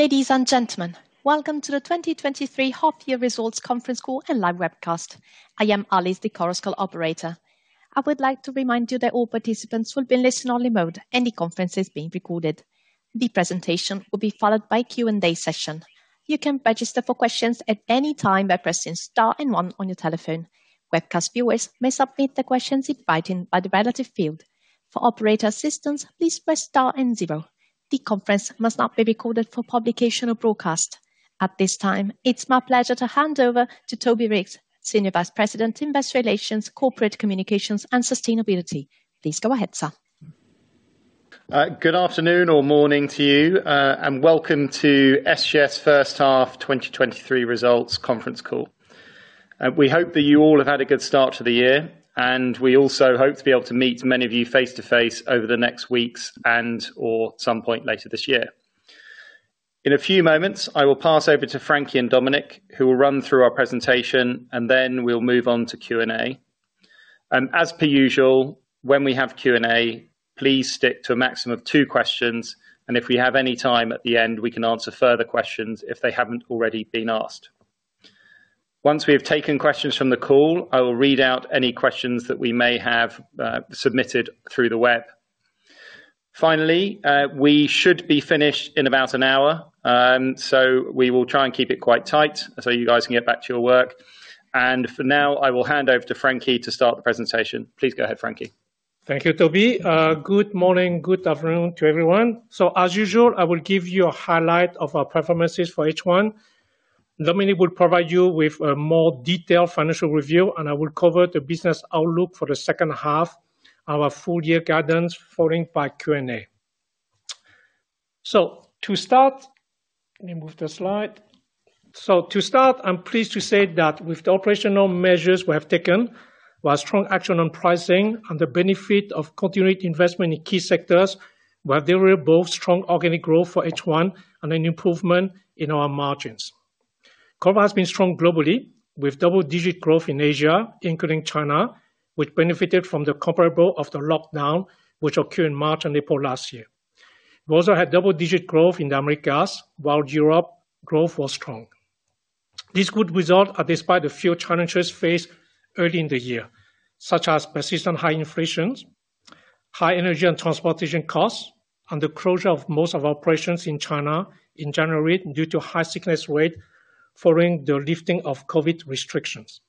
Ladies and gentlemen, welcome to the 2023 half-year results conference call and live webcast. I am Alice, the conference call operator. I would like to remind you that all participants will be in listen-only mode, and the conference is being recorded. The presentation will be followed by a Q&A session. You can register for questions at any time by pressing star and one on your telephone. Webcast viewers may submit their questions in writing by the relative field. For operator assistance, please press star and zero. The conference must not be recorded for publication or broadcast. At this time, it's my pleasure to hand over to Toby Reeks, Senior Vice President, investor relations, Corporate Communications, and Sustainability. Please go ahead, sir. Good afternoon or morning to you, and welcome to SGS first half 2023 results conference call. We hope that you all have had a good start to the year, and we also hope to be able to meet many of you face-to-face over the next weeks and/or some point later this year. In a few moments, I will pass over to Frankie and Dominik, who will run through our presentation, and then we'll move on to Q&A. As per usual, when we have Q&A, please stick to a maximum of two questions, and if we have any time at the end, we can answer further questions, if they haven't already been asked. Once we have taken questions from the call, I will read out any questions that we may have submitted through the web. Finally, we should be finished in about an hour, so we will try and keep it quite tight so you guys can get back to your work. For now, I will hand over to Frankie to start the presentation. Please go ahead, Frankie. Thank you, Toby. Good morning, good afternoon to everyone. As usual, I will give you a highlight of our performances for H1. Dominik will provide you with a more detailed financial review, and I will cover the business outlook for the second half, our full year guidance, following by Q&A. To start, let me move the slide. To start, I'm pleased to say that with the operational measures we have taken, while strong action on pricing and the benefit of continued investment in key sectors, we have delivered both strong organic growth for H1 and an improvement in our margins. Cover has been strong globally, with double-digit growth in Asia, including China, which benefited from the comparable of the lockdown, which occurred in March and April last year. We also had double-digit growth in the Americas, while Europe growth was strong. This good result are despite the few challenges faced early in the year, such as persistent high inflations, high energy and transportation costs, and the closure of most of our operations in China in January due to high sickness rate following the lifting of COVID restrictions.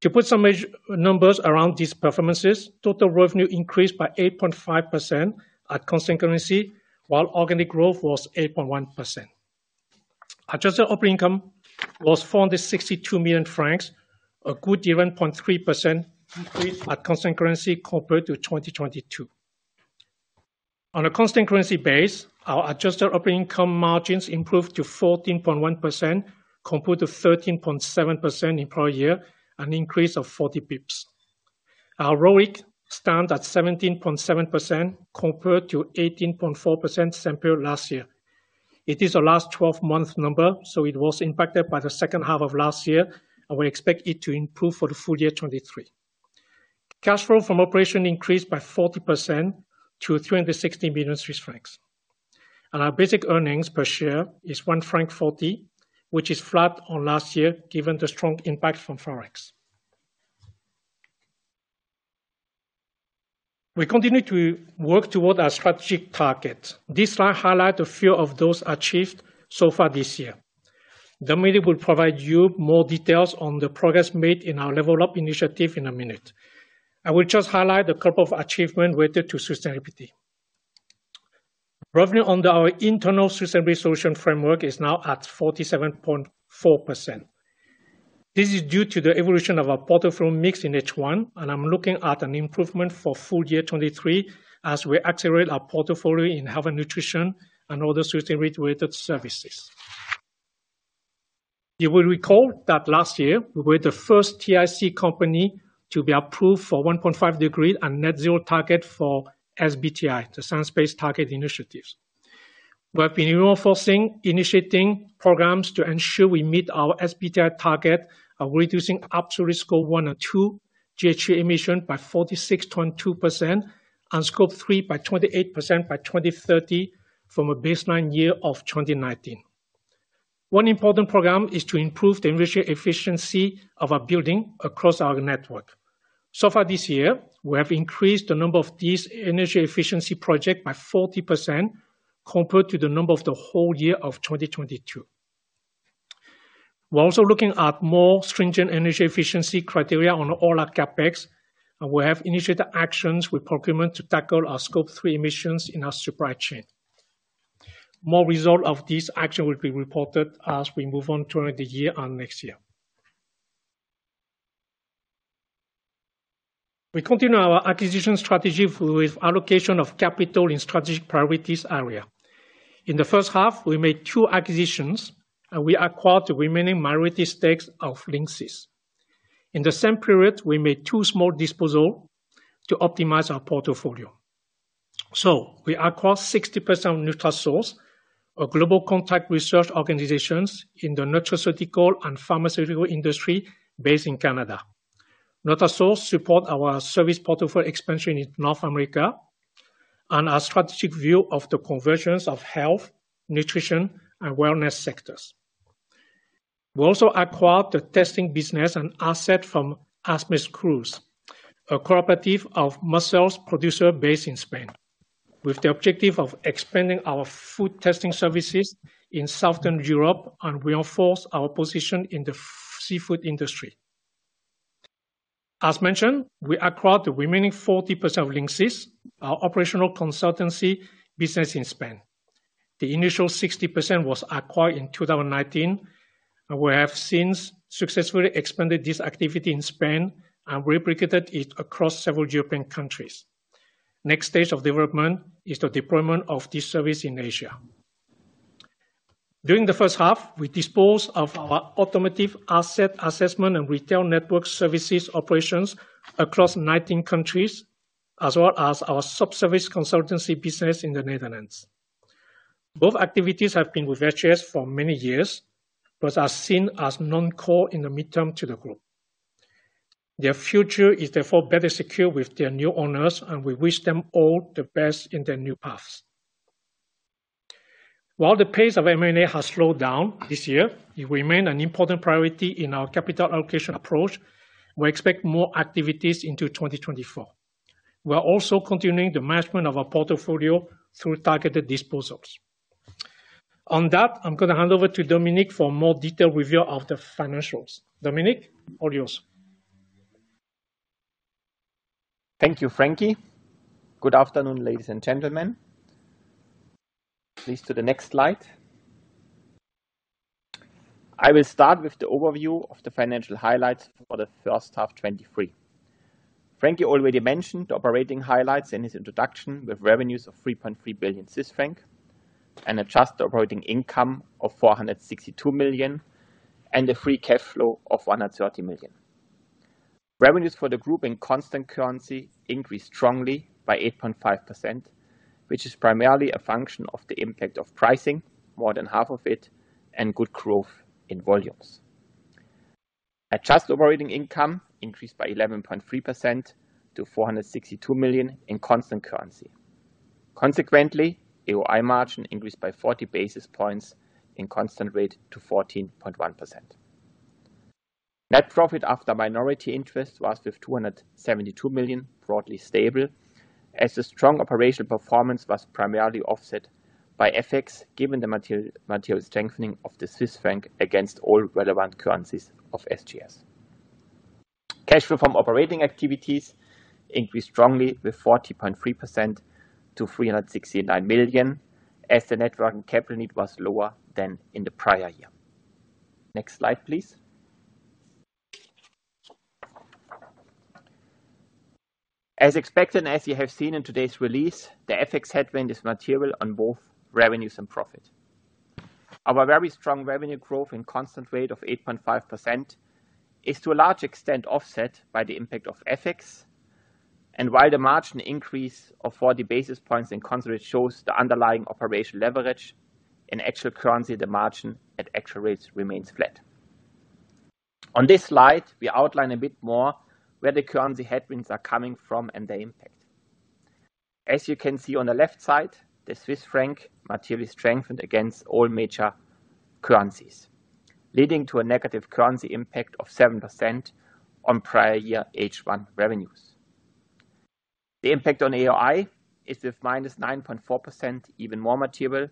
To put some numbers around these performances, total revenue increased by 8.5% at constant currency, while organic growth was 8.1%. Adjusted operating income was 462 million francs, a good event point 3% increase at constant currency compared to 2022. On a constant currency base, our adjusted operating income margins improved to 14.1%, compared to 13.7% in prior year, an increase of 40 basis points. Our ROIC stands at 17.7%, compared to 18.4% same period last year. It is the last 12-month number, so it was impacted by the second half of last year, and we expect it to improve for the full year 2023. Cash flow from operation increased by 40% to 360 million Swiss francs. Our basic earnings per share is 1.40 franc, which is flat on last year, given the strong impact from Forex. We continue to work toward our strategic target. This slide highlight a few of those achieved so far this year. Dominic will provide you more details on the progress made in our Level Up initiative in a minute. I will just highlight a couple of achievement related to sustainability. Revenue under our internal sustainability solution framework is now at 47.4%. This is due to the evolution of our portfolio mix in H1. I'm looking at an improvement for full year 2023 as we accelerate our portfolio in health and nutrition and other sustainability-related services. You will recall that last year, we were the first TIC company to be approved for 1.5 degree and net zero target for SBTI, the Science-Based Target initiatives. We have been initiating programs to ensure we meet our SBTI target of reducing absolute scope 1 or 2 GHG emission by 46.2% and scope 3 by 28% by 2030 from a baseline year of 2019. One important program is to improve the energy efficiency of our building across our network. Far this year, we have increased the number of these energy efficiency project by 40% compared to the number of the whole year of 2022. We're also looking at more stringent energy efficiency criteria on all our CapEx, and we have initiated actions with procurement to tackle our scope three emissions in our supply chain. More result of this action will be reported as we move on during the year and next year. We continue our acquisition strategy with allocation of capital in strategic priorities area. In the first half, we made two acquisitions, and we acquired the remaining minority stakes of Lynxis. In the same period, we made two small disposal to optimize our portfolio. We acquired 60% of Nutrasource, a global contract research organizations in the nutraceutical and pharmaceutical industry based in Canada.... Not a source support our service portfolio expansion in North America and our strategic view of the convergence of health, nutrition, and wellness sectors. We also acquired the testing business and asset from Asmecruz, a cooperative of mussels producer based in Spain, with the objective of expanding our food testing services in Southern Europe and reinforce our position in the seafood industry. As mentioned, we acquired the remaining 40% of Lynxis, our operational consultancy business in Spain. The initial 60% was acquired in 2019, and we have since successfully expanded this activity in Spain and replicated it across several European countries. Next stage of development is the deployment of this service in Asia. During the first half, we disposed of our automotive asset assessment and retail network services operations across 19 countries, as well as our sub-service consultancy business in the Netherlands. Both activities have been with SGS for many years, but are seen as non-core in the midterm to the group. Their future is therefore better secure with their new owners, and we wish them all the best in their new paths. While the pace of M&A has slowed down this year, it remain an important priority in our capital allocation approach. We expect more activities into 2024. We are also continuing the management of our portfolio through targeted disposals. On that, I'm gonna hand over to Dominik for more detailed review of the financials. Dominik, all yours. Thank you, Frankie. Good afternoon, ladies and gentlemen. Please, to the next slide. I will start with the overview of the financial highlights for the first half 2023. Frankie already mentioned the operating highlights in his introduction, with revenues of 3.3 billion franc and adjusted operating income of 462 million, and a free cash flow of 130 million. Revenues for the group in constant currency increased strongly by 8.5%, which is primarily a function of the impact of pricing, more than half of it, and good growth in volumes. Adjusted operating income increased by 11.3% to 462 million in constant currency. Consequently, AOI margin increased by 40 basis points in constant rate to 14.1%. Net profit after minority interest was with 272 million, broadly stable, as the strong operational performance was primarily offset by FX, given the material strengthening of the Swiss franc against all relevant currencies of SGS. Cash flow from operating activities increased strongly with 40.3% to 369 million, as the net working capital need was lower than in the prior year. Next slide, please. As expected, as you have seen in today's release, the FX headwind is material on both revenues and profit. Our very strong revenue growth in constant rate of 8.5% is, to a large extent, offset by the impact of FX, while the margin increase of 40 basis points in constant shows the underlying operational leverage, in actual currency, the margin at actual rates remains flat. On this slide, we outline a bit more where the currency headwinds are coming from and their impact. As you can see on the left side, the Swiss franc materially strengthened against all major currencies, leading to a negative currency impact of 7% on prior year H1 revenues. The impact on AOI is with -9.4%, even more material,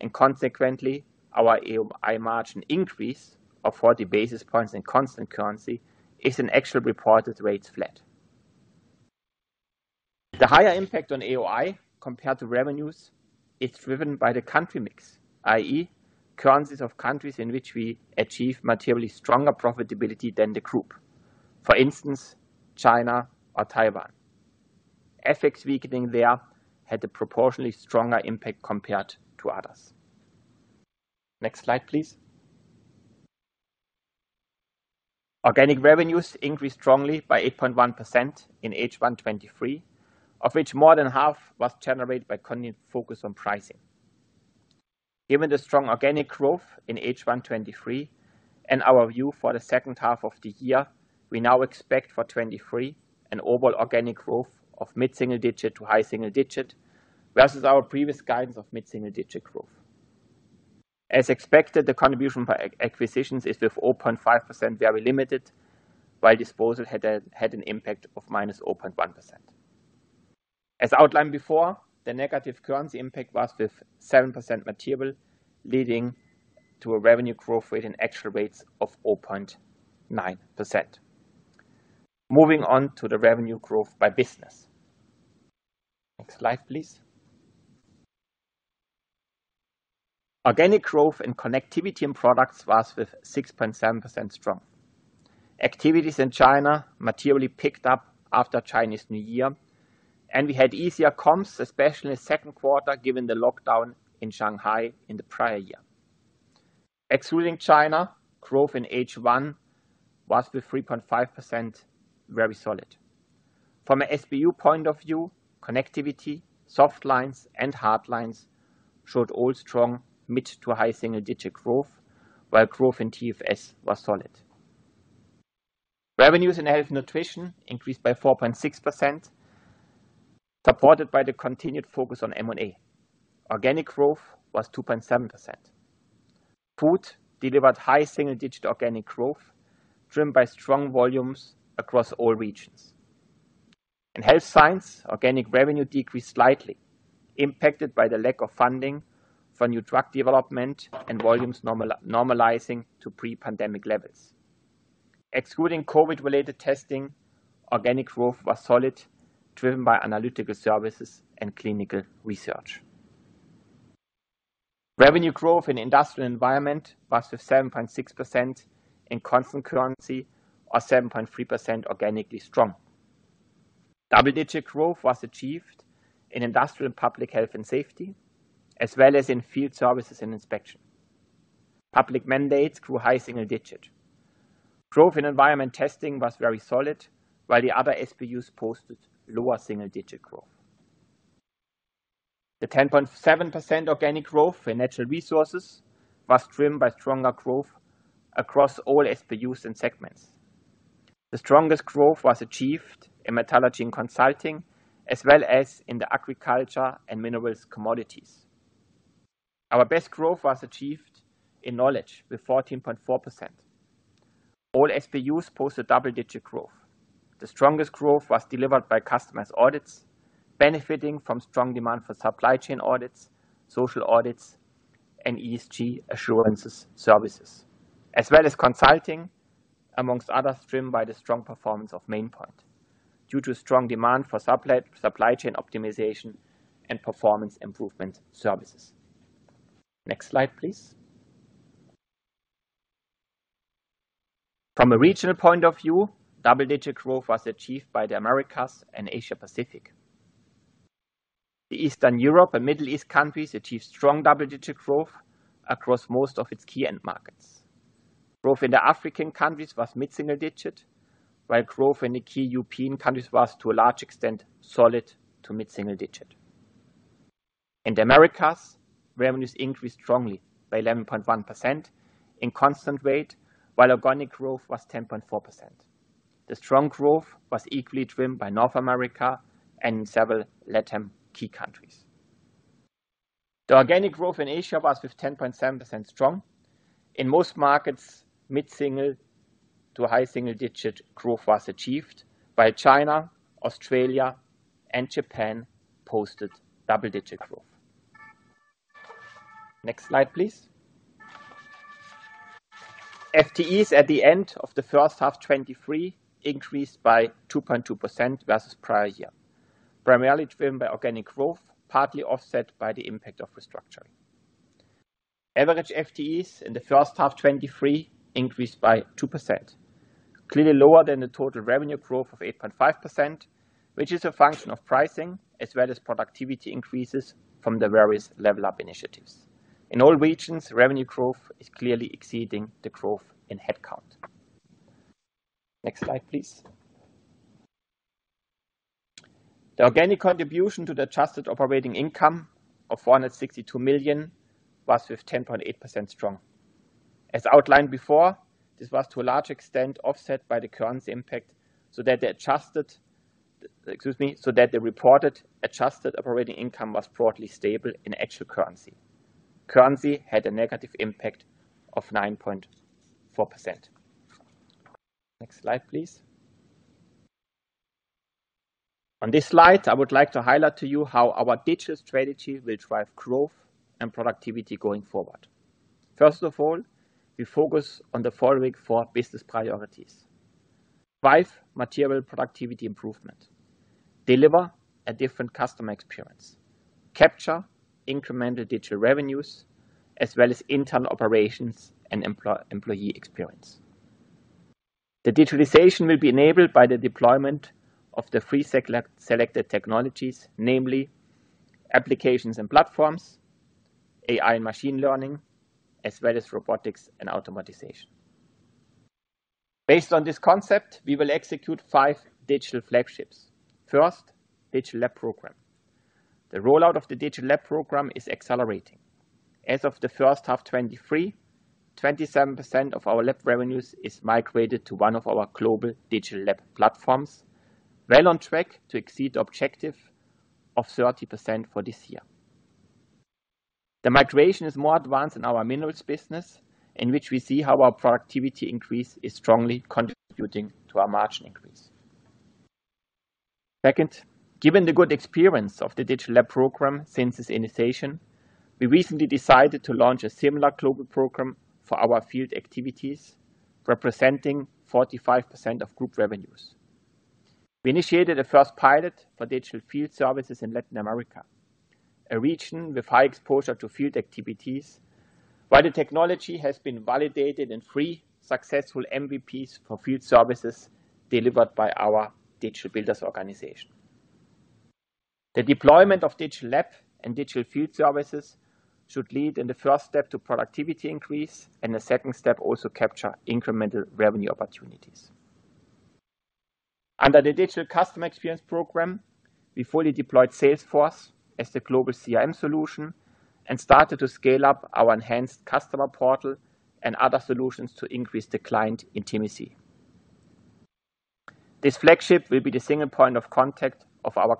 and consequently, our AOI margin increase of 40 basis points in constant currency is an actual reported rates flat. The higher impact on AOI compared to revenues is driven by the country mix, i.e., currencies of countries in which we achieve materially stronger profitability than the group. For instance, China or Taiwan. FX weakening there had a proportionally stronger impact compared to others. Next slide, please. Organic revenues increased strongly by 8.1% in H1 2023, of which more than half was generated by continued focus on pricing. Given the strong organic growth in H1 2023 and our view for the second half of the year, we now expect for 2023 an overall organic growth of mid-single digit to high-single digit, versus our previous guidance of mid-single digit growth. As expected, the contribution by acquisitions is with 0.5%, very limited, while disposal had an impact of -0.1%. As outlined before, the negative currency impact was with 7% material, leading to a revenue growth rate in actual rates of 0.9%. Moving on to the revenue growth by business. Next slide, please. Organic growth in connectivity and products was with 6.7% strong. Activities in China materially picked up after Chinese New Year, and we had easier comps, especially in the second quarter, given the lockdown in Shanghai in the prior year. Excluding China, growth in H1 was with 3.5%, very solid. From an SBU point of view, connectivity, soft lines, and hard lines showed all strong mid to high single-digit growth, while growth in TFS was solid. Revenues in health and nutrition increased by 4.6%, supported by the continued focus on M&A. Organic growth was 2.7%. Food delivered high single-digit organic growth, driven by strong volumes across all regions. In health science, organic revenue decreased slightly, impacted by the lack of funding for new drug development and volumes normalizing to pre-pandemic levels. Excluding COVID-related testing, organic growth was solid, driven by analytical services and clinical research. Revenue growth in industrial environment was with 7.6% in constant currency, or 7.3% organically strong. Double-digit growth was achieved in industrial and public health and safety, as well as in field services and inspection. Public mandates grew high single digit. Growth in environment testing was very solid, while the other SBUs posted lower single-digit growth. The 10.7% organic growth in natural resources was driven by stronger growth across all SBUs and segments. The strongest growth was achieved in metallurgy and consulting, as well as in the agriculture and minerals commodities. Our best growth was achieved in knowledge, with 14.4%. All SBUs posted double-digit growth. The strongest growth was delivered by customers' audits, benefiting from strong demand for supply chain audits, social audits, and ESG assurances services. Consulting, amongst others, driven by the strong performance of Maine Pointe, due to strong demand for supply chain optimization and performance improvement services. Next slide, please. From a regional point of view, double-digit growth was achieved by the Americas and Asia Pacific. The Eastern Europe and Middle East countries achieved strong double-digit growth across most of its key end markets. Growth in the African countries was mid-single digit, while growth in the key European countries was, to a large extent, solid to mid-single digit. In the Americas, revenues increased strongly by 11.1% in constant rate, while organic growth was 10.4%. The strong growth was equally driven by North America and several LATAM key countries. The organic growth in Asia was with 10.7% strong. In most markets, mid-single to high single-digit growth was achieved, while China, Australia, and Japan posted double-digit growth. Next slide, please. FTEs at the end of the first half 2023 increased by 2.2% versus prior year, primarily driven by organic growth, partly offset by the impact of restructuring. Average FTEs in the first half 2023 increased by 2%, clearly lower than the total revenue growth of 8.5%, which is a function of pricing, as well as productivity increases from the various Level Up initiatives. In all regions, revenue growth is clearly exceeding the growth in headcount. Next slide, please. The organic contribution to the adjusted operating income of 462 million was with 10.8% strong. As outlined before, this was to a large extent offset by the currency impact, so that the reported adjusted operating income was broadly stable in actual currency. Currency had a negative impact of 9.4%. Next slide, please. On this slide, I would like to highlight to you how our digital strategy will drive growth and productivity going forward. First of all, we focus on the following four business priorities: drive material productivity improvement, deliver a different customer experience, capture incremental digital revenues, as well as internal operations and employee experience. The digitalization will be enabled by the deployment of the three selected technologies, namely applications and platforms, AI machine learning, as well as robotics and automatization. Based on this concept, we will execute five digital Flagships. First, Digital Lab program. The rollout of the Digital Lab program is accelerating. As of the first half 2023, 27% of our lab revenues is migrated to one of our global digital labs platforms, well on track to exceed the objective of 30% for this year. The migration is more advanced in our minerals business, in which we see how our productivity increase is strongly contributing to our margin increase. Second, given the good experience of the digital labs program since its initiation, we recently decided to launch a similar global program for our field activities, representing 45% of group revenues. We initiated a first pilot for digital field services in Latin America, a region with high exposure to field activities, while the technology has been validated in three successful MVPs for field services delivered by our Digital Builders organization. The deployment of digital labs and digital field services should lead in the first step to productivity increase, and the second step also capture incremental revenue opportunities. Under the Digital Customer Experience program, we fully deployed Salesforce as the global CRM solution and started to scale up our enhanced customer portal and other solutions to increase the client intimacy. This Flagship will be the single point of contact of our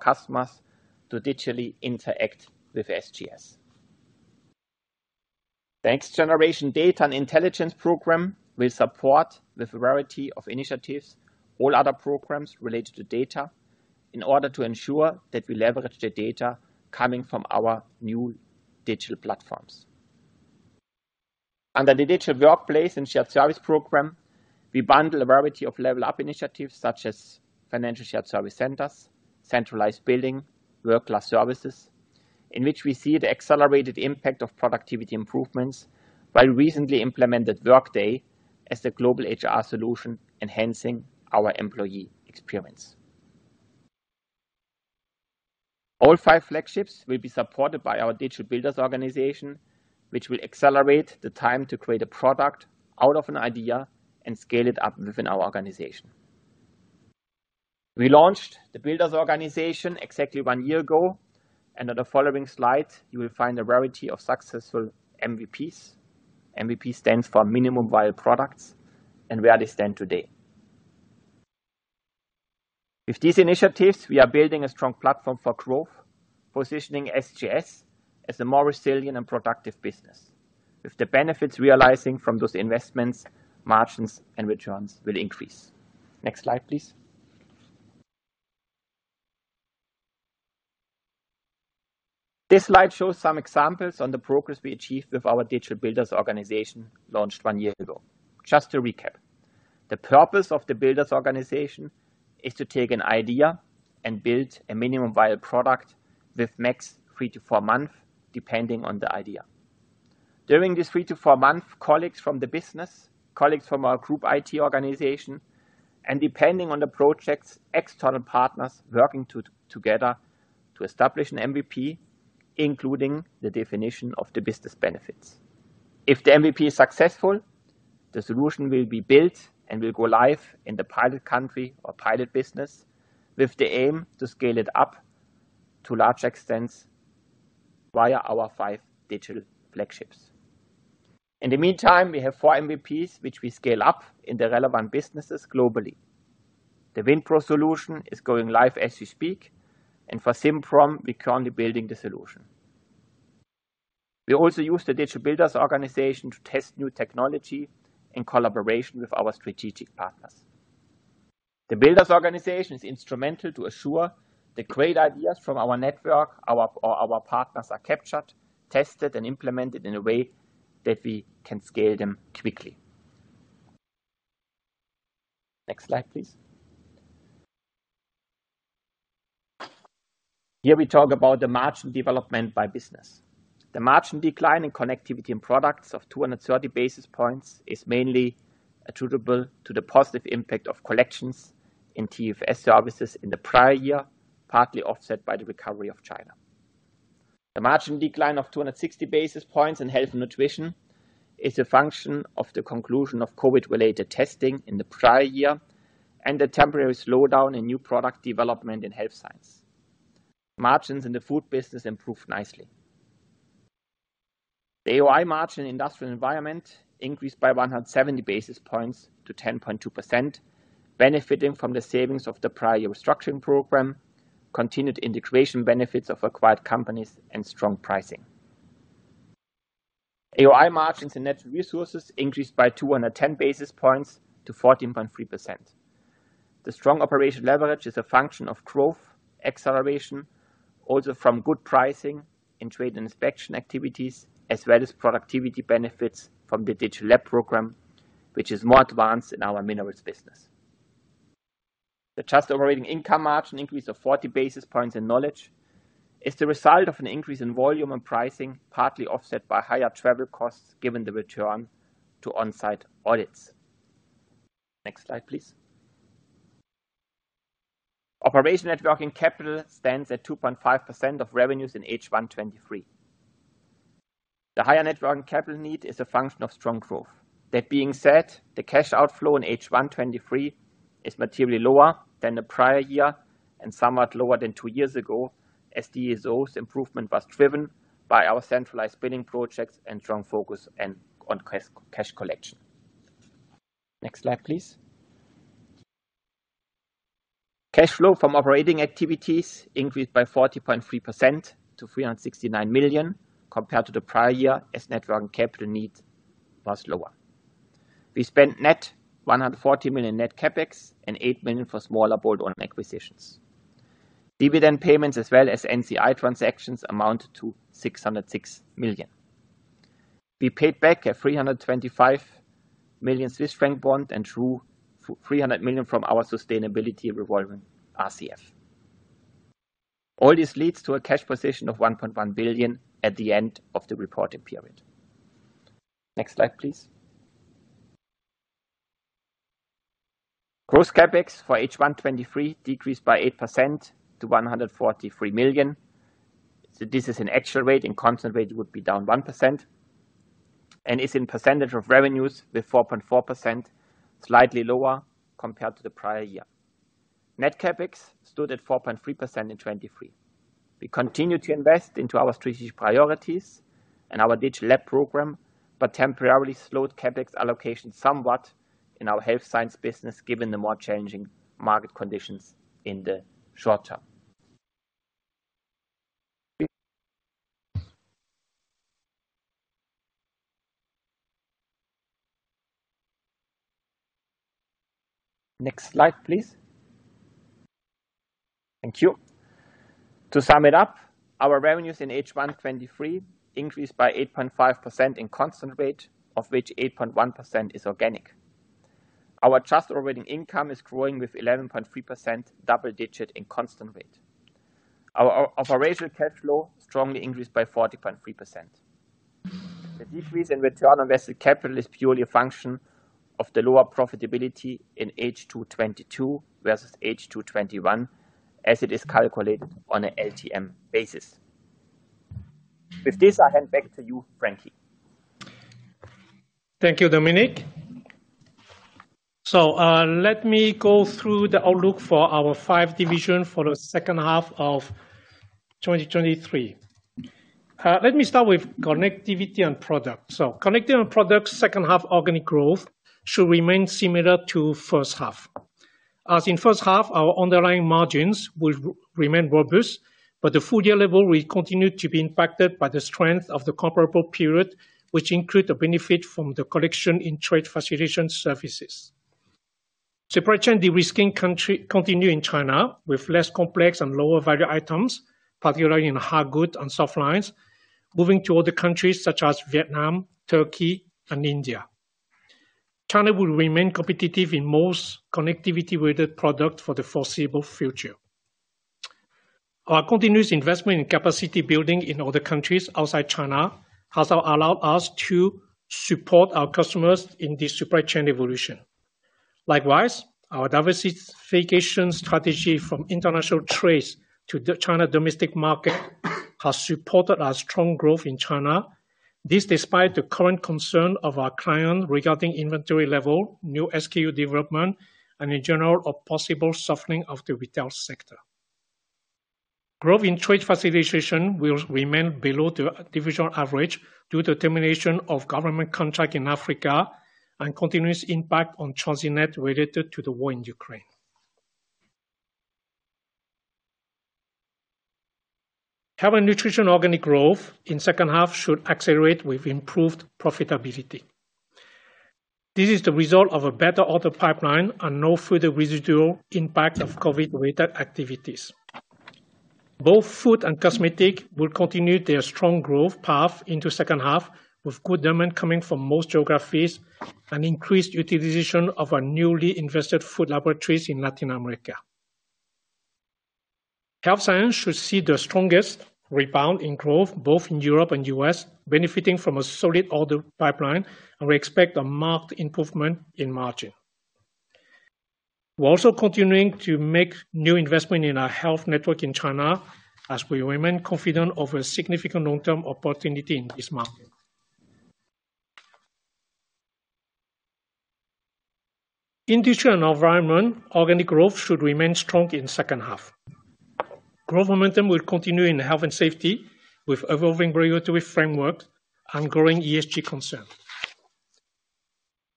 customers to digitally interact with SGS. The Next Generation Data and Intelligence program will support the variety of initiatives, all other programs related to data, in order to ensure that we leverage the data coming from our new digital platforms. Under the Digital Workplace and Shared Service program, we bundle a variety of Level Up initiatives, such as financial shared service centers, centralized billing, world-class services, in which we see the accelerated impact of productivity improvements by recently implemented Workday as the global HR solution, enhancing our employee experience. All five Flagships will be supported by our Digital Builders organization, which will accelerate the time to create a product out of an idea and scale it up within our organization. We launched the Builders organization exactly one year ago. On the following slide, you will find a variety of successful MVPs. MVP stands for Minimum Viable Products and where they stand today. With these initiatives, we are building a strong platform for growth, positioning SGS as a more resilient and productive business. With the benefits realizing from those investments, margins and returns will increase. Next slide, please. This slide shows some examples on the progress we achieved with our Digital Builders organization, launched 1 year ago. Just to recap, the purpose of the Builders organization is to take an idea and build a minimum viable product with max 3-4 months, depending on the idea. During this 3-4 months, colleagues from the business, colleagues from our group IT organization, and depending on the projects, external partners working together to establish an MVP, including the definition of the business benefits. If the MVP is successful, the solution will be built and will go live in the pilot country or pilot business, with the aim to scale it up to large extents via our 5 digital Flagships. In the meantime, we have 4 MVPs, which we scale up in the relevant businesses globally. The windPRO solution is going live as we speak. For Simpro, we're currently building the solution. We also use the Digital Builders organization to test new technology in collaboration with our strategic partners. The Builders organization is instrumental to assure the great ideas from our network, our partners, are captured, tested, and implemented in a way that we can scale them quickly. Next slide, please. Here we talk about the margin development by business. The margin decline in Connectivity and Products of 230 basis points is mainly attributable to the positive impact of collections in TFS services in the prior year, partly offset by the recovery of China. The margin decline of 260 basis points in Health and Nutrition is a function of the conclusion of COVID-related testing in the prior year and a temporary slowdown in new product development in health science. Margins in the food business improved nicely. The AOI margin in Industrial and Environment increased by 170 basis points to 10.2%, benefiting from the savings of the prior year restructuring program, continued integration benefits of acquired companies, and strong pricing. AOI margins and Net Resources increased by 210 basis points to 14.3%. The strong operational leverage is a function of growth, acceleration, also from good pricing in trade and inspection activities, as well as productivity benefits from the digital labs program, which is more advanced in our minerals business. The adjusted operating income margin increase of 40 basis points in Knowledge is the result of an increase in volume and pricing, partly offset by higher travel costs, given the return to on-site audits. Next slide, please. Operational net working capital stands at 2.5% of revenues in H1 2023. The higher net working capital need is a function of strong growth. That being said, the cash outflow in H1 2023 is materially lower than the prior year and somewhat lower than two years ago, as DSO's improvement was driven by our centralized billing projects and strong focus on cash collection. Next slide, please. Cash flow from operating activities increased by 40.3% to 369 million compared to the prior year, as net working capital need was lower. We spent net 140 million net CapEx and 8 million for smaller bolt-on acquisitions. Dividend payments, as well as NCI transactions, amounted to 606 million. We paid back a 325 million Swiss franc bond and drew 300 million from our sustainability revolving RCF. All this leads to a cash position of 1.1 billion at the end of the reporting period. Next slide, please. Gross CapEx for H1 2023 decreased by 8% to 143 million. This is an actual rate, and constant rate would be down 1%, and is in percentage of revenues with 4.4%, slightly lower compared to the prior year. Net CapEx stood at 4.3% in 2023. We continue to invest into our strategic priorities and our digital lab program, but temporarily slowed CapEx allocation somewhat in our health science business, given the more changing market conditions in the short term. Next slide, please. Thank you. To sum it up, our revenues in H1 2023 increased by 8.5% in constant rate, of which 8.1% is organic. Our trust operating income is growing with 11.3%, double digit in constant rate. Our operational cash flow strongly increased by 40.3%. The decrease in return on invested capital is purely a function of the lower profitability in H2 2022 versus H2 2021, as it is calculated on an LTM basis. With this, I hand back to you, Frankie. Thank you, Dominik. Let me go through the outlook for our five division for the second half of 2023. Let me start with Connectivity and Product. Connectivity and Product, second half organic growth should remain similar to first half. As in first half, our underlying margins will remain robust, but the full year level will continue to be impacted by the strength of the comparable period, which include the benefit from the collection in trade facilitation services. Supply chain de-risking continue in China, with less complex and lower value items, particularly in hard goods and soft lines, moving to other countries such as Vietnam, Turkey, and India. China will remain competitive in most connectivity-related product for the foreseeable future. Our continuous investment in capacity building in other countries outside China, has allowed us to support our customers in this supply chain evolution. Likewise, our diversification strategy from international trade to the China domestic market has supported our strong growth in China. This despite the current concern of our client regarding inventory level, new SKU development, and in general, a possible softening of the retail sector. Growth in trade facilitation will remain below the division average, due to termination of government contract in Africa and continuous impact on Transinet related to the war in Ukraine. Health and nutrition organic growth in second half should accelerate with improved profitability. This is the result of a better order pipeline and no further residual impact of COVID-related activities. Both food and cosmetic will continue their strong growth path into second half, with good demand coming from most geographies and increased utilization of our newly invested food laboratories in Latin America. Health science should see the strongest rebound in growth, both in Europe and U.S., benefiting from a solid order pipeline. We expect a marked improvement in margin. We're also continuing to make new investment in our health network in China, as we remain confident of a significant long-term opportunity in this market. Industry and Environment, organic growth should remain strong in second half. Growth momentum will continue in health and safety, with evolving regulatory framework and growing ESG concern.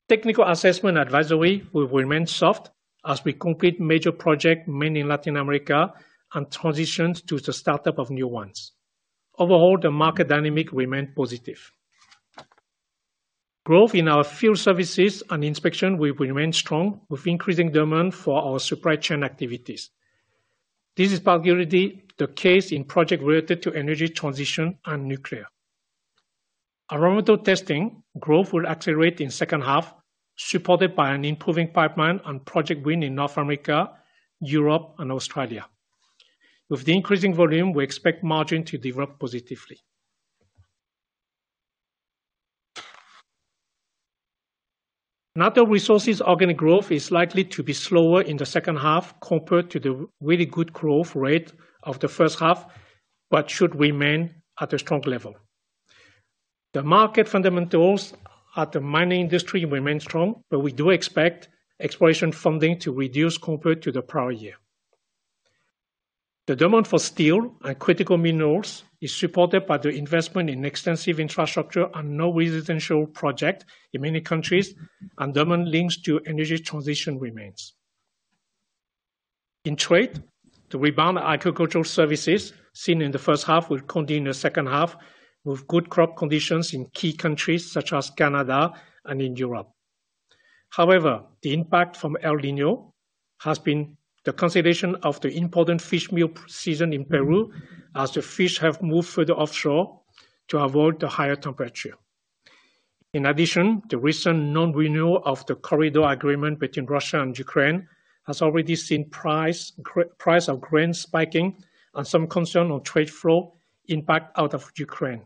Technical assessment advisory will remain soft as we complete major project, mainly in Latin America. Transition to the startup of new ones. Overall, the market dynamic remain positive. Growth in our field services and inspection will remain strong, with increasing demand for our supply chain activities. This is particularly the case in project related to energy transition and nuclear. Environmental testing growth will accelerate in second half, supported by an improving pipeline and project win in North America, Europe, and Australia. With the increasing volume, we expect margin to develop positively. Natural Resources organic growth is likely to be slower in the second half compared to the really good growth rate of the first half, but should remain at a strong level. The market fundamentals at the mining industry remain strong, but we do expect exploration funding to reduce compared to the prior year. The demand for steel and critical minerals is supported by the investment in extensive infrastructure and no residential project in many countries, and demand links to energy transition remains. In trade, the rebound agricultural services seen in the first half will continue in the second half, with good crop conditions in key countries such as Canada and in Europe. The impact from El Niño has been the consideration of the important fish meal season in Peru, as the fish have moved further offshore to avoid the higher temperature. The recent non-renewal of the corridor agreement between Russia and Ukraine has already seen price of grain spiking and some concern on trade flow impact out of Ukraine.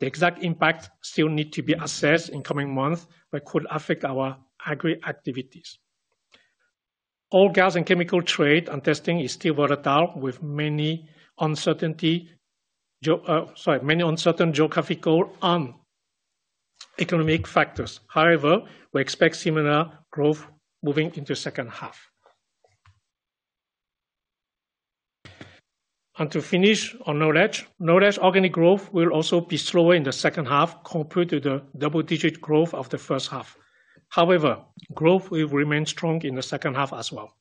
The exact impact still need to be assessed in coming months, but could affect our agri activities. Oil, gas, and chemical trade and testing is still volatile, with many uncertain geographical and economic factors. We expect similar growth moving into second half. To finish on Knowledge. Knowledge organic growth will also be slower in the second half compared to the double-digit growth of the first half. Growth will remain strong in the second half as well.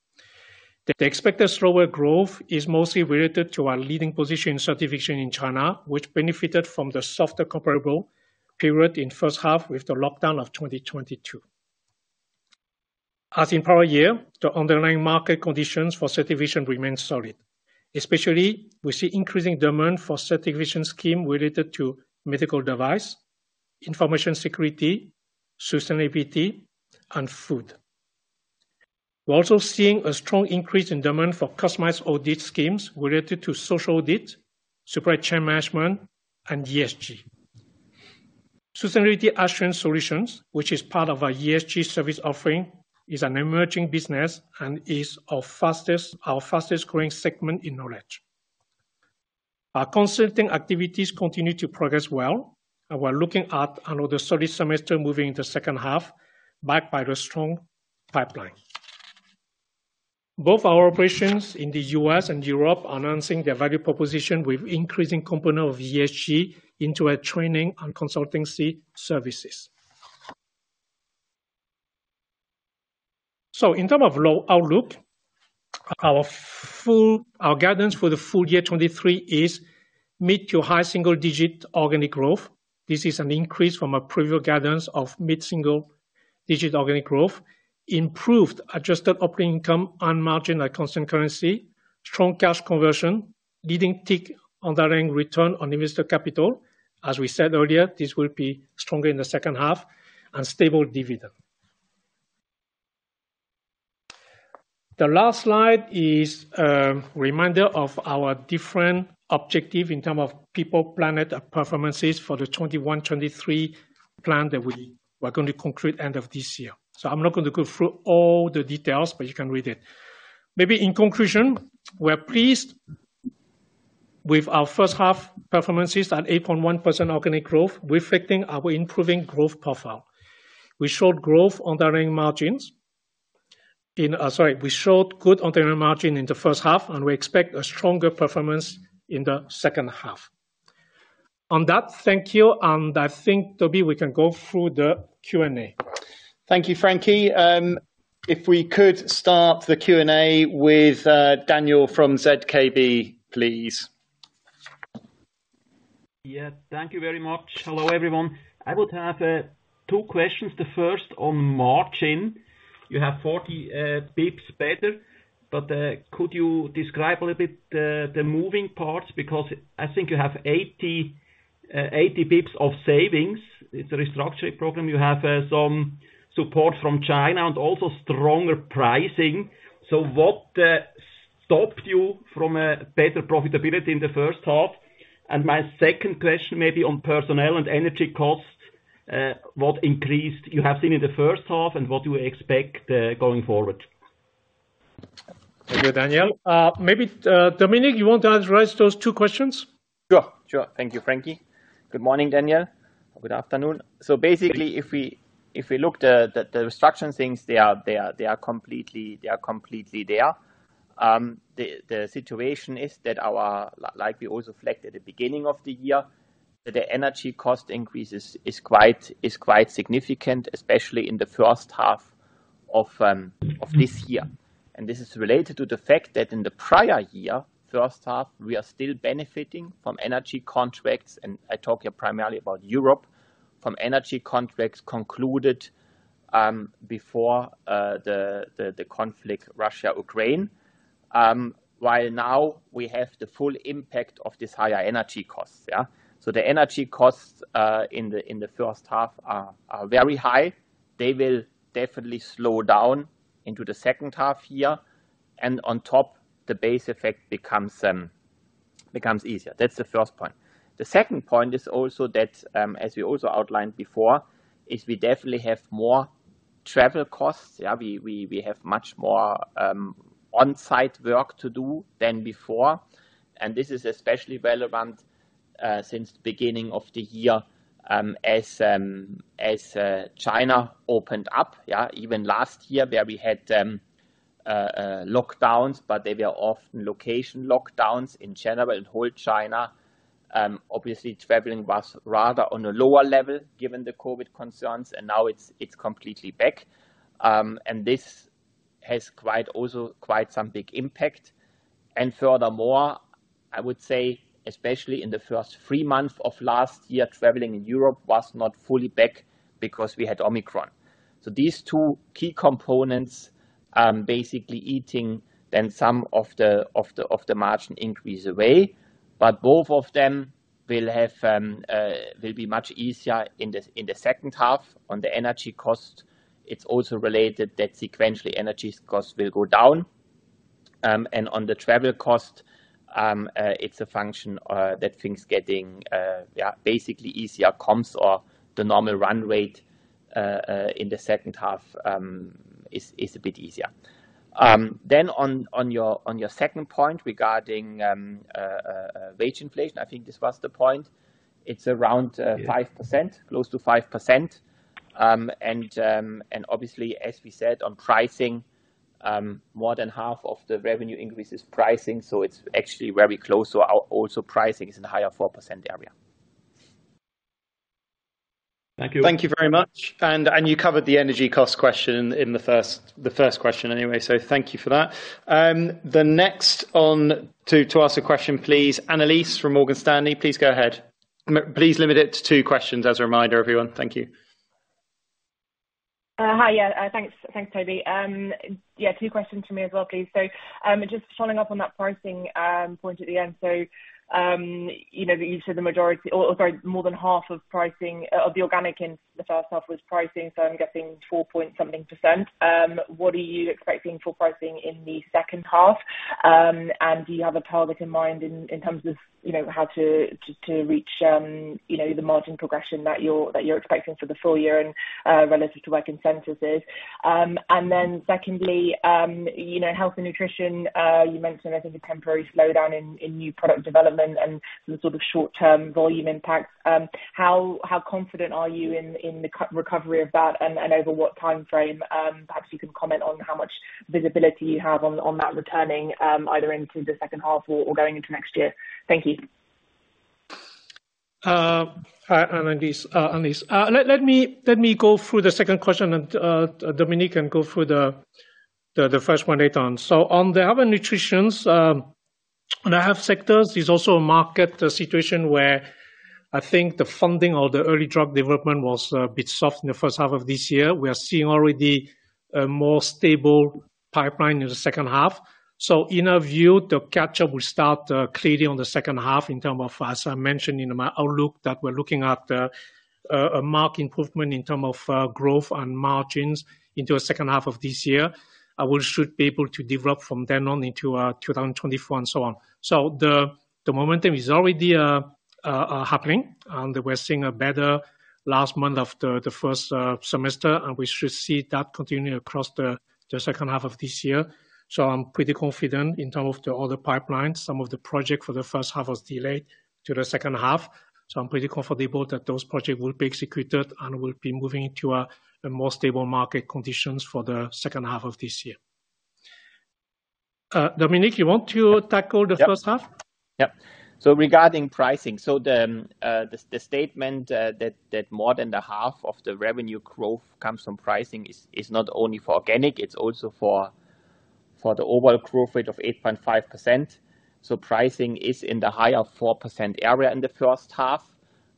The expected slower growth is mostly related to our leading position in certification in China, which benefited from the softer comparable period in first half with the lockdown of 2022. In prior year, the underlying market conditions for certification remain solid. Especially, we see increasing demand for certification scheme related to medical device, information security, sustainability, and food. We're also seeing a strong increase in demand for customized audit schemes related to social audit, supply chain management, and ESG. Sustainability Assurance Solutions, which is part of our ESG service offering, is an emerging business and is our fastest growing segment in Knowledge. Our consulting activities continue to progress well, and we're looking at another solid semester moving in the second half, backed by the strong pipeline. Both our operations in the U.S. and Europe are enhancing their value proposition with increasing component of ESG into a training and consultancy services. In terms of low outlook, our guidance for the full year 2023 is mid to high single digit organic growth. This is an increase from our previous guidance of mid-single digit organic growth. Improved adjusted operating income and margin at constant currency, strong cash conversion, leading TIC underlying return on invested capital. As we said earlier, this will be stronger in the second half and stable dividend. The last slide is a reminder of our different objective in terms of people, planet, and performances for the 2021-2023 plan that we were going to conclude end of this year. I'm not going to go through all the details, but you can read it. Maybe in conclusion, we're pleased with our first half performances at 8.1% organic growth, reflecting our improving growth profile. We showed good underlying margin in the first half, and we expect a stronger performance in the second half. On that, thank you. I think, Toby, we can go through the Q&A. Thank you, Frankie. If we could start the Q&A with Daniel from ZKB, please. Yeah, thank you very much. Hello, everyone. I would have two questions. The first on margin. You have 40 basis points better, but could you describe a little bit the moving parts? Because I think you have 80 basis points of savings. It's a restructuring program. You have some support from China and also stronger pricing. What stopped you from a better profitability in the first half? My second question may be on personnel and energy costs, what increased you have seen in the first half, and what do you expect going forward? Thank you, Daniel. Maybe Dominik, you want to address those two questions? Sure. Thank you, Frankie. Good morning, Daniel. Good afternoon. Basically, if we look the restructuring things, they are there. They are completely there. The situation is that our like we also reflected at the beginning of the year, that the energy cost increases is quite significant, especially in the first half of this year. This is related to the fact that in the prior year, first half, we are still benefiting from energy contracts, and I talk here primarily about Europe, from energy contracts concluded before the conflict Russia, Ukraine. While now we have the full impact of this higher energy costs. Yeah. The energy costs in the first half are very high. They will definitely slow down into the second half year. On top, the base effect becomes easier. That's the first point. The second point is also that as we also outlined before, is we definitely have more travel costs. Yeah, we have much more on-site work to do than before, and this is especially relevant since the beginning of the year as China opened up, yeah. Even last year, where we had lockdowns, but they were often location lockdowns. In general, in whole China, obviously, traveling was rather on a lower level given the COVID concerns, and now it's completely back. This has also quite some big impact. Furthermore, I would say, especially in the first three months of last year, traveling in Europe was not fully back because we had Omicron. These two key components are basically eating then some of the margin increase away, but both of them will have, will be much easier in the second half. On the energy cost, it's also related that sequentially, energy costs will go down. On the travel cost, it's a function that things getting, yeah, basically easier comps or the normal run rate in the second half is a bit easier. On your second point regarding wage inflation, I think this was the point, it's around 5%. Yeah. Close to 5%. Obviously, as we said on pricing, more than half of the revenue increase is pricing, so it's actually very close. Our also pricing is in the higher 4% area. Thank you. Thank you very much. You covered the energy cost question in the first question, anyway. Thank you for that. The next on to ask a question, please, Annelies from Morgan Stanley, please go ahead. Please limit it to two questions as a reminder, everyone. Thank you. Hi, thanks. Thanks, Toby. Two questions from me as well, please. Just following up on that pricing point at the end. You said the majority, or sorry, more than half of pricing of the organic in the first half was pricing, so I'm guessing 4.something%. What are you expecting for pricing in the second half? Do you have a target in mind in terms of how to reach the margin progression that you're expecting for the full year relative to where consensus is? Secondly, health and nutrition, you mentioned, I think, a temporary slowdown in new product development and some sort of short-term volume impacts. How confident are you in the recovery of that, and over what time frame? Perhaps you can comment on how much visibility you have on that returning, either into the second half or going into next year. Thank you. Hi, Annelies. Let me go through the second question, and Dominik can go through the first one later on. On the other nutritions, on the half sectors, there's also a market situation where I think the funding or the early drug development was a bit soft in the first half of this year. We are seeing already a more stable pipeline in the second half. In our view, the catch-up will start clearly on the second half in term of, as I mentioned in my outlook, that we're looking at a mark improvement in term of growth and margins into a second half of this year. We should be able to develop from then on into 2024 and so on. The momentum is already happening, and we're seeing a better last month of the first semester, and we should see that continue across the second half of this year. I'm pretty confident in terms of the other pipelines. Some of the project for the first half was delayed to the second half. I'm pretty comfortable that those projects will be executed and will be moving into a more stable market conditions for the second half of this year. Dominik, you want to tackle the first half? Yep. Yep. Regarding pricing, the statement that more than the half of the revenue growth comes from pricing is not only for organic, it's also for the overall growth rate of 8.5%. Pricing is in the higher 4% area in the first half.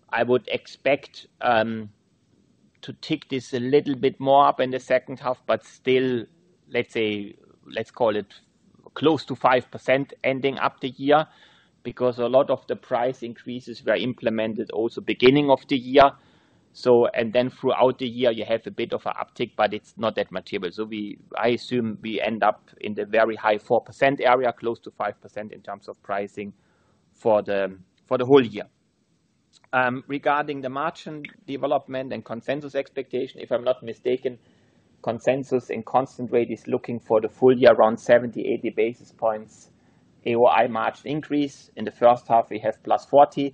I would expect to tick this a little bit more up in the second half, but still, let's say, let's call it close to 5% ending up the year, because a lot of the price increases were implemented also beginning of the year. Throughout the year, you have a bit of an uptick, but it's not that material. I assume we end up in the very high 4% area, close to 5% in terms of pricing for the whole year. Regarding the margin development and consensus expectation, if I'm not mistaken, consensus and constant rate is looking for the full year, around 70-80 basis points. AOI margin increase in the first half, we have +40.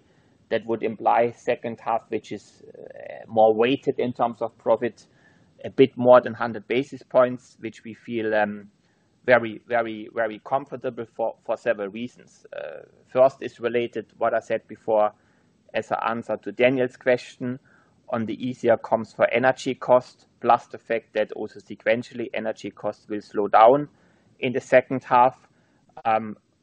That would imply second half, which is more weighted in terms of profit, a bit more than 100 basis points, which we feel very comfortable for several reasons. First, is related to what I said before, as an answer to Daniel's question on the easier comps for energy cost, plus the fact that also sequentially, energy costs will slow down in the second half.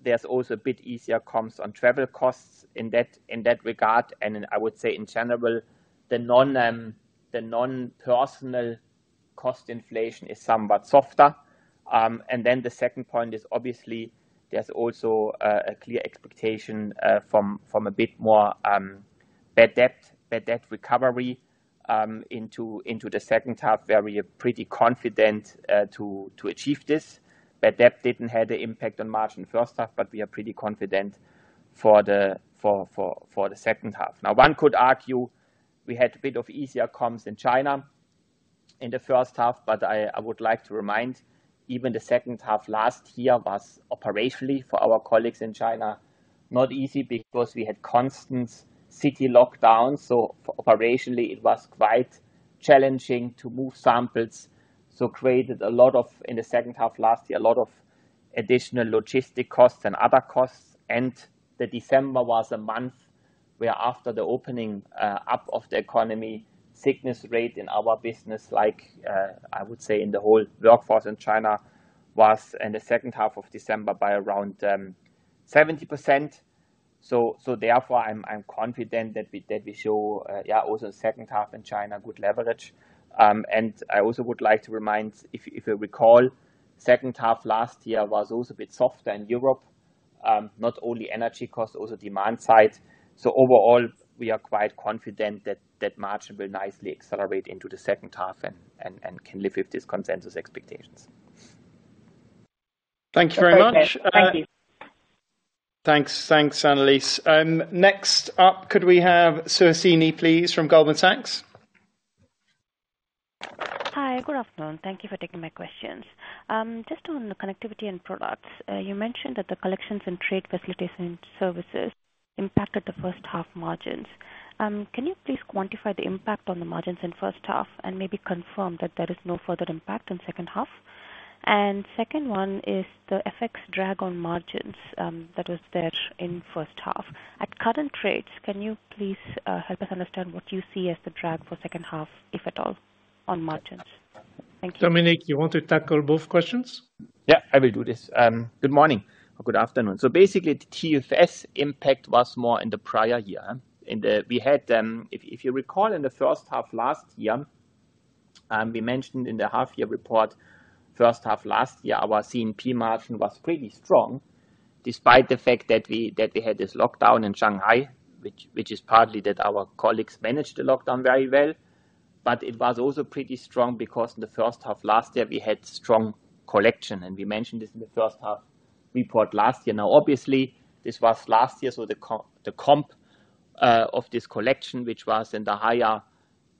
There's also a bit easier comps on travel costs in that regard, and I would say in general, the non-personal cost inflation is somewhat softer. The second point is obviously there's also a clear expectation from a bit more bad debt recovery into the second half, where we are pretty confident to achieve this. Bad debt didn't have the impact on margin first half, but we are pretty confident for the second half. One could argue we had a bit of easier comps in China in the first half, but I would like to remind, even the second half last year was operationally, for our colleagues in China, not easy because we had constant city lockdowns, so operationally it was quite challenging to move samples. Created a lot of, in the second half of last year, a lot of additional logistic costs and other costs. The December was a month where after the opening up of the economy, sickness rate in our business, like, I would say in the whole workforce in China, was in the second half of December by around 70%. Therefore, I'm confident that we show also second half in China, good leverage. I also would like to remind, if you recall, second half last year was also a bit softer in Europe. Not only energy costs, also demand side. Overall, we are quite confident that margin will nicely accelerate into the second half and can live with these consensus expectations. Thank you very much. Thank you. Thanks. Thanks, Annelies. Next up, could we have Suhasini, please, from Goldman Sachs? Hi, good afternoon. Thank you for taking my questions. Just on the connectivity and products, you mentioned that the collections and trade facilitation services impacted the first half margins. Can you please quantify the impact on the margins in first half, and maybe confirm that there is no further impact in second half? Second one is the FX drag on margins, that was there in first half. At current rates, can you please help us understand what you see as the drag for second half, if at all, on margins? Thank you. Dominik, you want to tackle both questions? I will do this. Good morning, or good afternoon. Basically, the TFS impact was more in the prior year. We had. If you recall in the first half last year, we mentioned in the half year report, first half last year, our CMP margin was pretty strong, despite the fact that we had this lockdown in Shanghai, which is partly that our colleagues managed the lockdown very well. It was also pretty strong because in the first half last year, we had strong collection, and we mentioned this in the first half report last year. Obviously, this was last year, the comp of this collection, which was in the CHF higher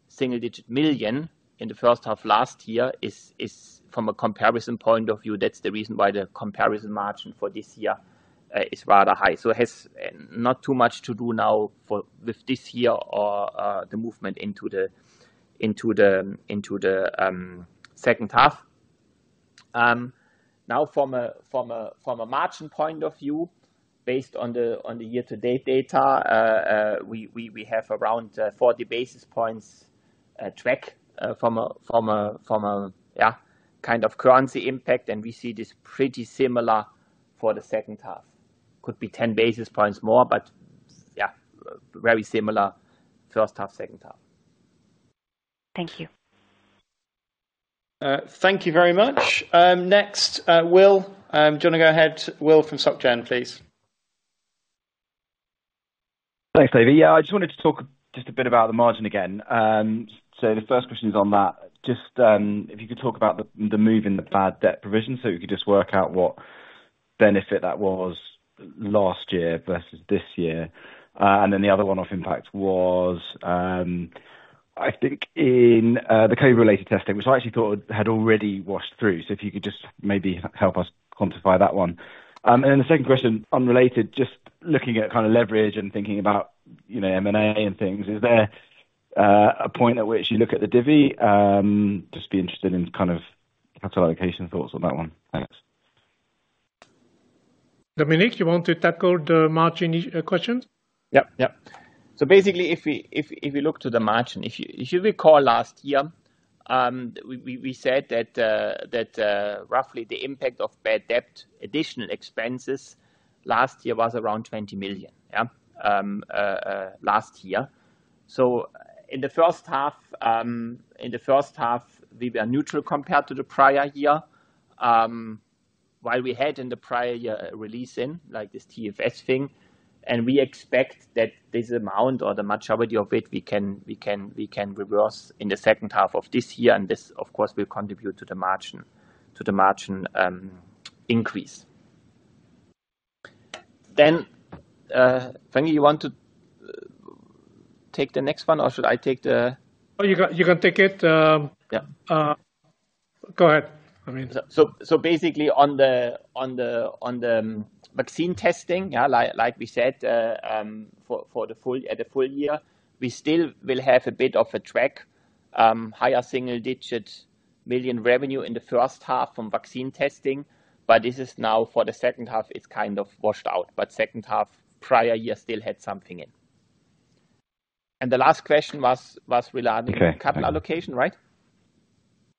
single digit million in the first half last year, is from a comparison point of view, that's the reason why the comparison margin for this year is rather high. It has not too much to do now with this year or the movement into the second half. From a margin point of view, based on the year-to-date data, we have around 40 basis points track from a, yeah, kind of currency impact, and we see this pretty similar for the second half. Could be 10 basis points more, yeah, very similar, first half, second half. Thank you. Thank you very much. Next, Will. Do you wanna go ahead, Will, from Societe Generale, please? Thanks, Toby. Yeah, I just wanted to talk just a bit about the margin again. The first question is on that. Just, if you could talk about the move in the bad debt provision, so we could just work out what benefit that was last year versus this year. The other one-off impact was, I think in the COVID-related testing, which I actually thought had already washed through. If you could just maybe help us quantify that one. The second question, unrelated, just looking at kind of leverage and thinking about, you know, M&A and things, is there a point at which you look at the divvy? Just be interested in kind of capital allocation thoughts on that one. Thanks. Dominik, you want to tackle the margin question? Basically, if you look to the margin, if you recall last year, we said that roughly the impact of bad debt, additional expenses last year was around 20 million. Yeah, last year. In the first half, we were neutral compared to the prior year. While we had in the prior year, a release in, like this TFS thing, and we expect that this amount or the majority of it, we can reverse in the second half of this year, and this, of course, will contribute to the margin increase. Feng, you want to take the next one, or should I take the? Oh, you can take it. Yeah. Go ahead, I mean. Basically on the vaccine testing, yeah, like we said, for the full year, we still will have a bit of a track, higher single-digit million revenue in the first half from vaccine testing, but this is now for the second half, it's kind of washed out, but second half, prior year still had something in. The last question was regarding. Okay. Capital allocation, right?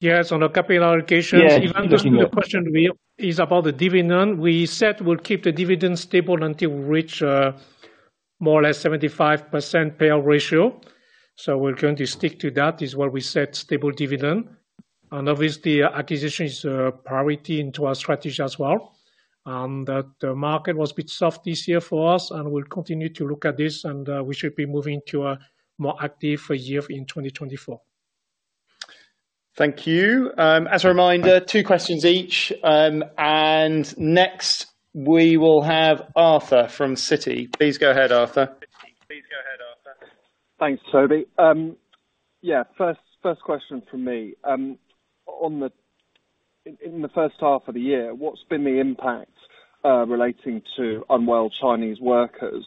Yes, on the capital allocations. Yes. Even the question is about the dividend. We said we'll keep the dividend stable until we reach, more or less 75% payout ratio. We're going to stick to that, is where we set stable dividend. Obviously, acquisition is a priority into our strategy as well. That the market was a bit soft this year for us, and we'll continue to look at this, and we should be moving to a more active year in 2024. Thank you. As a reminder, two questions each. Next, we will have Arthur from Citi. Please go ahead, Arthur. Thanks, Toby. Yeah, first question from me. In the first half of the year, what's been the impact relating to unwell Chinese workers?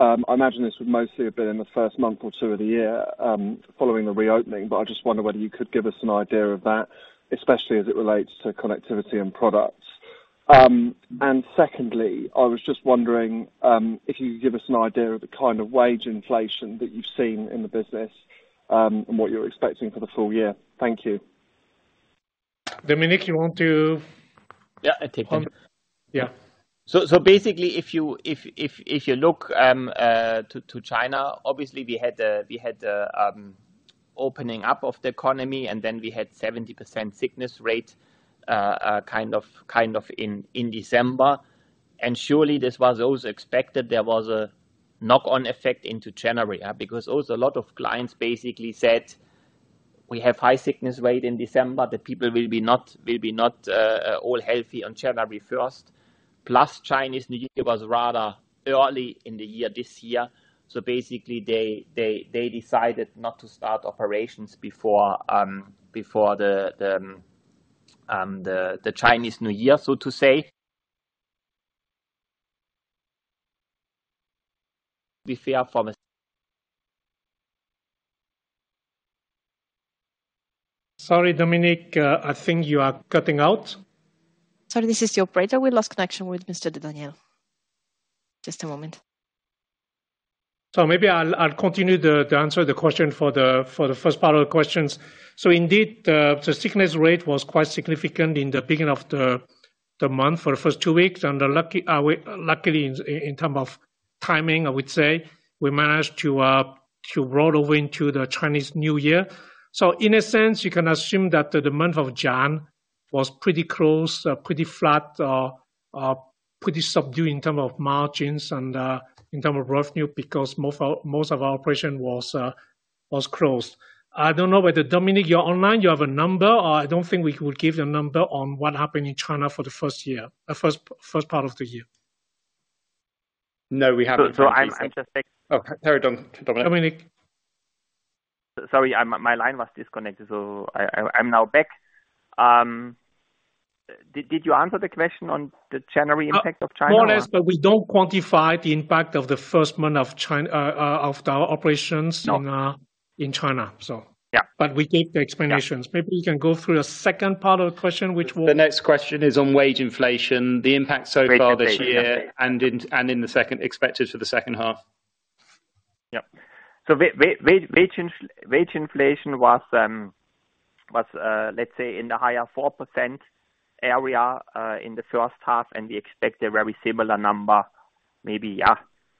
I imagine this would mostly have been in the first month or two of the year, following the reopening, but I just wonder whether you could give us an idea of that, especially as it relates to connectivity and products. And secondly, I was just wondering, if you could give us an idea of the kind of wage inflation that you've seen in the business, and what you're expecting for the full year. Thank you. Dominik. You want to. Yeah, I take that. Yeah. Basically, if you look to China, obviously we had a opening up of the economy, and then we had 70% sickness rate, kind of in December. Surely this was also expected. There was a knock-on effect into January because also a lot of clients basically said, "We have high sickness rate in December. The people will be not all healthy on January 1st." Chinese New Year was rather early in the year this year, so basically they decided not to start operations before the Chinese New Year, so to say. We fear from a- Sorry, Dominik, I think you are cutting out. Sorry, this is the operator. We lost connection with Mr. Daniel. Just a moment. Maybe I'll continue to answer the question for the first part of the questions. Indeed, the sickness rate was quite significant in the beginning of the month, for the first 2 weeks, and luckily in term of timing, I would say, we managed to roll over into the Chinese New Year. In a sense, you can assume that the month of Jan was pretty close, pretty flat, pretty subdued in term of margins and in term of revenue, because most of our operation was closed. I don't know whether, Dominik, you're online, you have a number? I don't think we would give the number on what happened in China for the first year, first part of the year. No, we haven't. I'm just back. Oh, sorry, Dominik. Dominik? Sorry, my line was disconnected, so I'm now back. Did you answer the question on the January impact of China? More or less, but we don't quantify the impact of the first month of China of our operations. No. In China, so. Yeah. We gave the explanations. Yeah. Maybe you can go through the second part of the question, which was. The next question is on wage inflation, the impact so far this year. Wage inflation. In the second, expected for the second half. Wage inflation was, let's say in the higher 4% area, in the first half, and we expect a very similar number, maybe,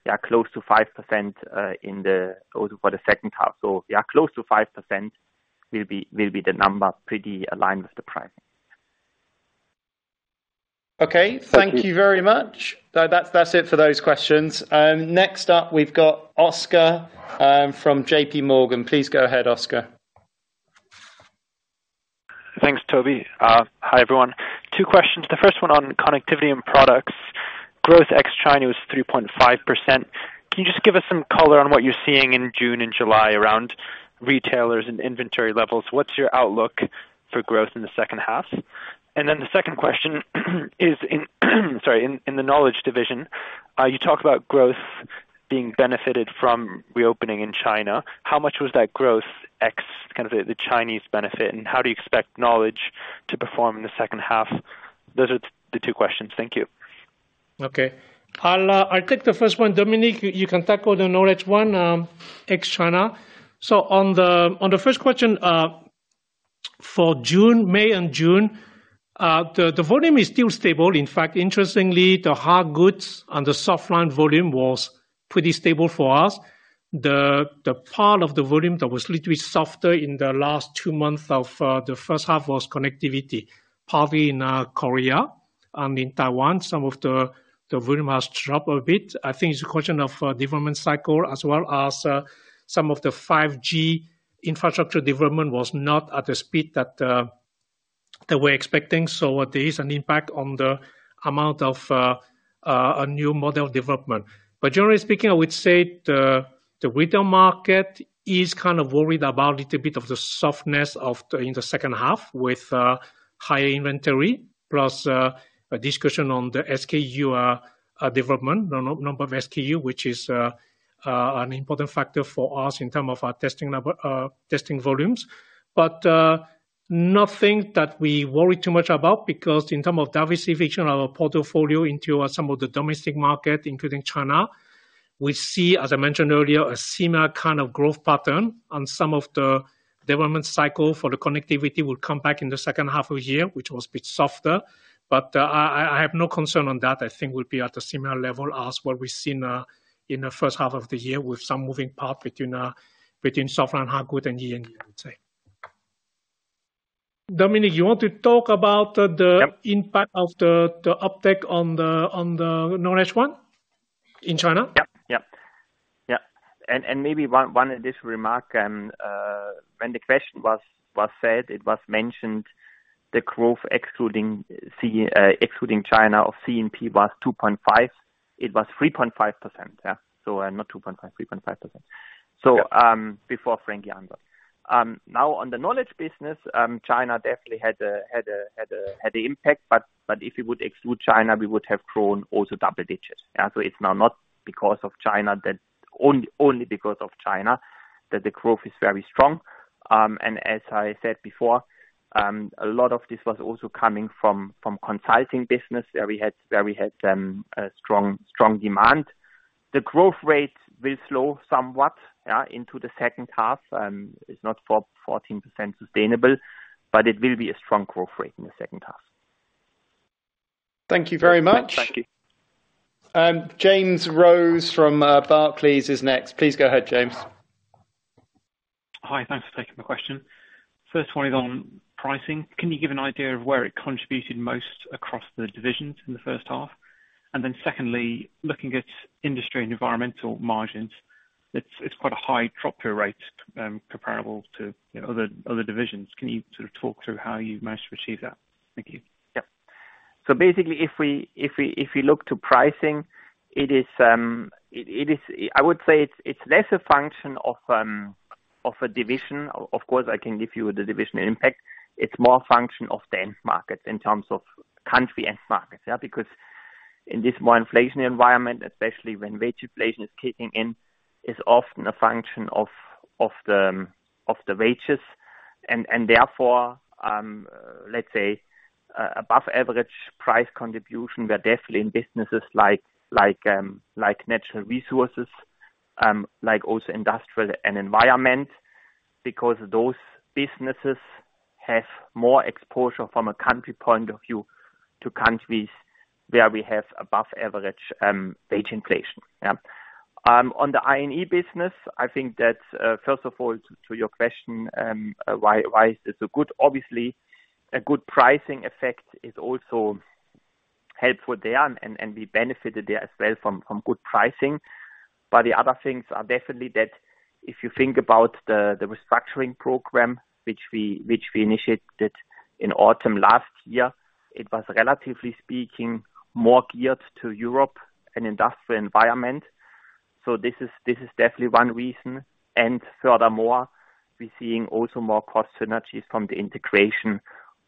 yeah, close to 5%, in the also for the second half. Yeah, close to 5% will be the number, pretty aligned with the price. Okay. Thank you very much. That's it for those questions. Next up, we've got Oscar, from JPMorgan. Please go ahead, Oscar. Thanks, Toby. Hi, everyone. 2 questions. The first one on connectivity and products. Growth ex-China was 3.5%. Can you just give us some color on what you're seeing in June and July around retailers and inventory levels? What's your outlook for growth in the second half? The second question is in the knowledge division, you talk about growth being benefited from reopening in China. How much was that growth ex kind of the Chinese benefit, and how do you expect knowledge to perform in the second half? Those are the 2 questions. Thank you. Okay. I'll take the first one. Dominik, you can tackle the knowledge one, ex-China. On the first question, for June, May and June, the volume is still stable. In fact, interestingly, the hard goods and the soft line volume was pretty stable for us. The part of the volume that was little bit softer in the last 2 months of the first half was connectivity. Partly in Korea and in Taiwan, some of the volume has dropped a bit. I think it's a question of development cycle, as well as some of the 5G infrastructure development was not at the speed that we're expecting. There is an impact on the amount of a new model development. Generally speaking, I would say the retail market is kind of worried about little bit of the softness of the, in the second half, with high inventory, plus a discussion on the SKU development, the number of SKU, which is an important factor for us in term of our testing volumes. Nothing that we worry too much about, because in term of diversity vision, our portfolio into some of the domestic market, including China, we see, as I mentioned earlier, a similar kind of growth pattern on some of the development cycle for the connectivity will come back in the second half of the year, which was a bit softer. I have no concern on that. I think we'll be at a similar level as what we've seen, in the first half of the year, with some moving part between software and hardware than year and year, I would say. Dominik, you want to talk about the? Yep. Impact of the uptick on the knowledge one in China? Yep, yep. Yep. Maybe one additional remark, when the question was said, it was mentioned the growth excluding China of CNP was 2.5. It was 3.5%, yeah. Not 2.5, 3.5%. Before Frank jumps in. Now, on the knowledge business, China definitely had an impact, but if you would exclude China, we would have grown also double digits. It's now not because of China that only because of China that the growth is very strong. As I said before, a lot of this was also coming from consulting business, where we had a strong demand. The growth rate will slow somewhat into the second half. It's not 14% sustainable, but it will be a strong growth rate in the second half. .hank you very much. Thank you. James Rose from Barclays is next. Please go ahead, James. Hi. Thanks for taking my question. First one is on pricing. Can you give an idea of where it contributed most across the divisions in the first half? Secondly, looking at industry and environmental margins, it's quite a high drop-through rate, comparable to, you know, other divisions. Can you sort of talk through how you managed to achieve that? Thank you. Yep. Basically, if we look to pricing, it is, I would say it's less a function of a division. Of course, I can give you the division impact. It's more a function of the end market in terms of country end markets, yeah. Because in this more inflationary environment, especially when wage inflation is kicking in, is often a function of the wages. Therefore, let's say, above average price contribution, we're definitely in businesses like natural resources, like also industrial and environment, because those businesses have more exposure from a country point of view to countries where we have above average wage inflation. Yeah. On the I&E business, I think that, first of all, to your question, why is this so good? Obviously, a good pricing effect is also helpful there, and we benefited there as well from good pricing. The other things are definitely that if you think about the restructuring program, which we initiated in autumn last year, it was relatively speaking, more geared to Europe and industrial environment. This is definitely one reason. Furthermore, we're seeing also more cost synergies from the integration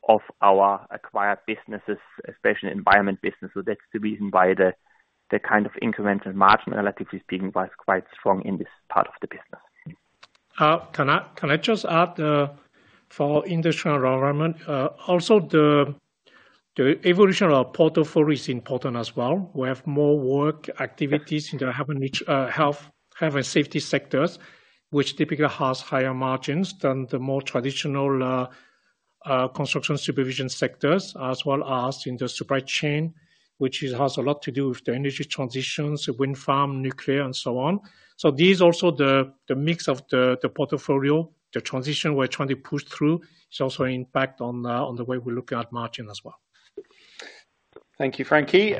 of our acquired businesses, especially environment business. That's the reason why the kind of incremental margin, relatively speaking, was quite strong in this part of the business. Can I just add for industrial environment, also the evolution of our portfolio is important as well. We have more work activities in the health and REACH, health and safety sectors, which typically has higher margins than the more traditional construction supervision sectors, as well as in the supply chain, which is, has a lot to do with the energy transitions, wind farm, nuclear, and so on. This is also the mix of the portfolio, the transition we're trying to push through. It's also impact on the way we're looking at margin as well. Thank you, Frankie.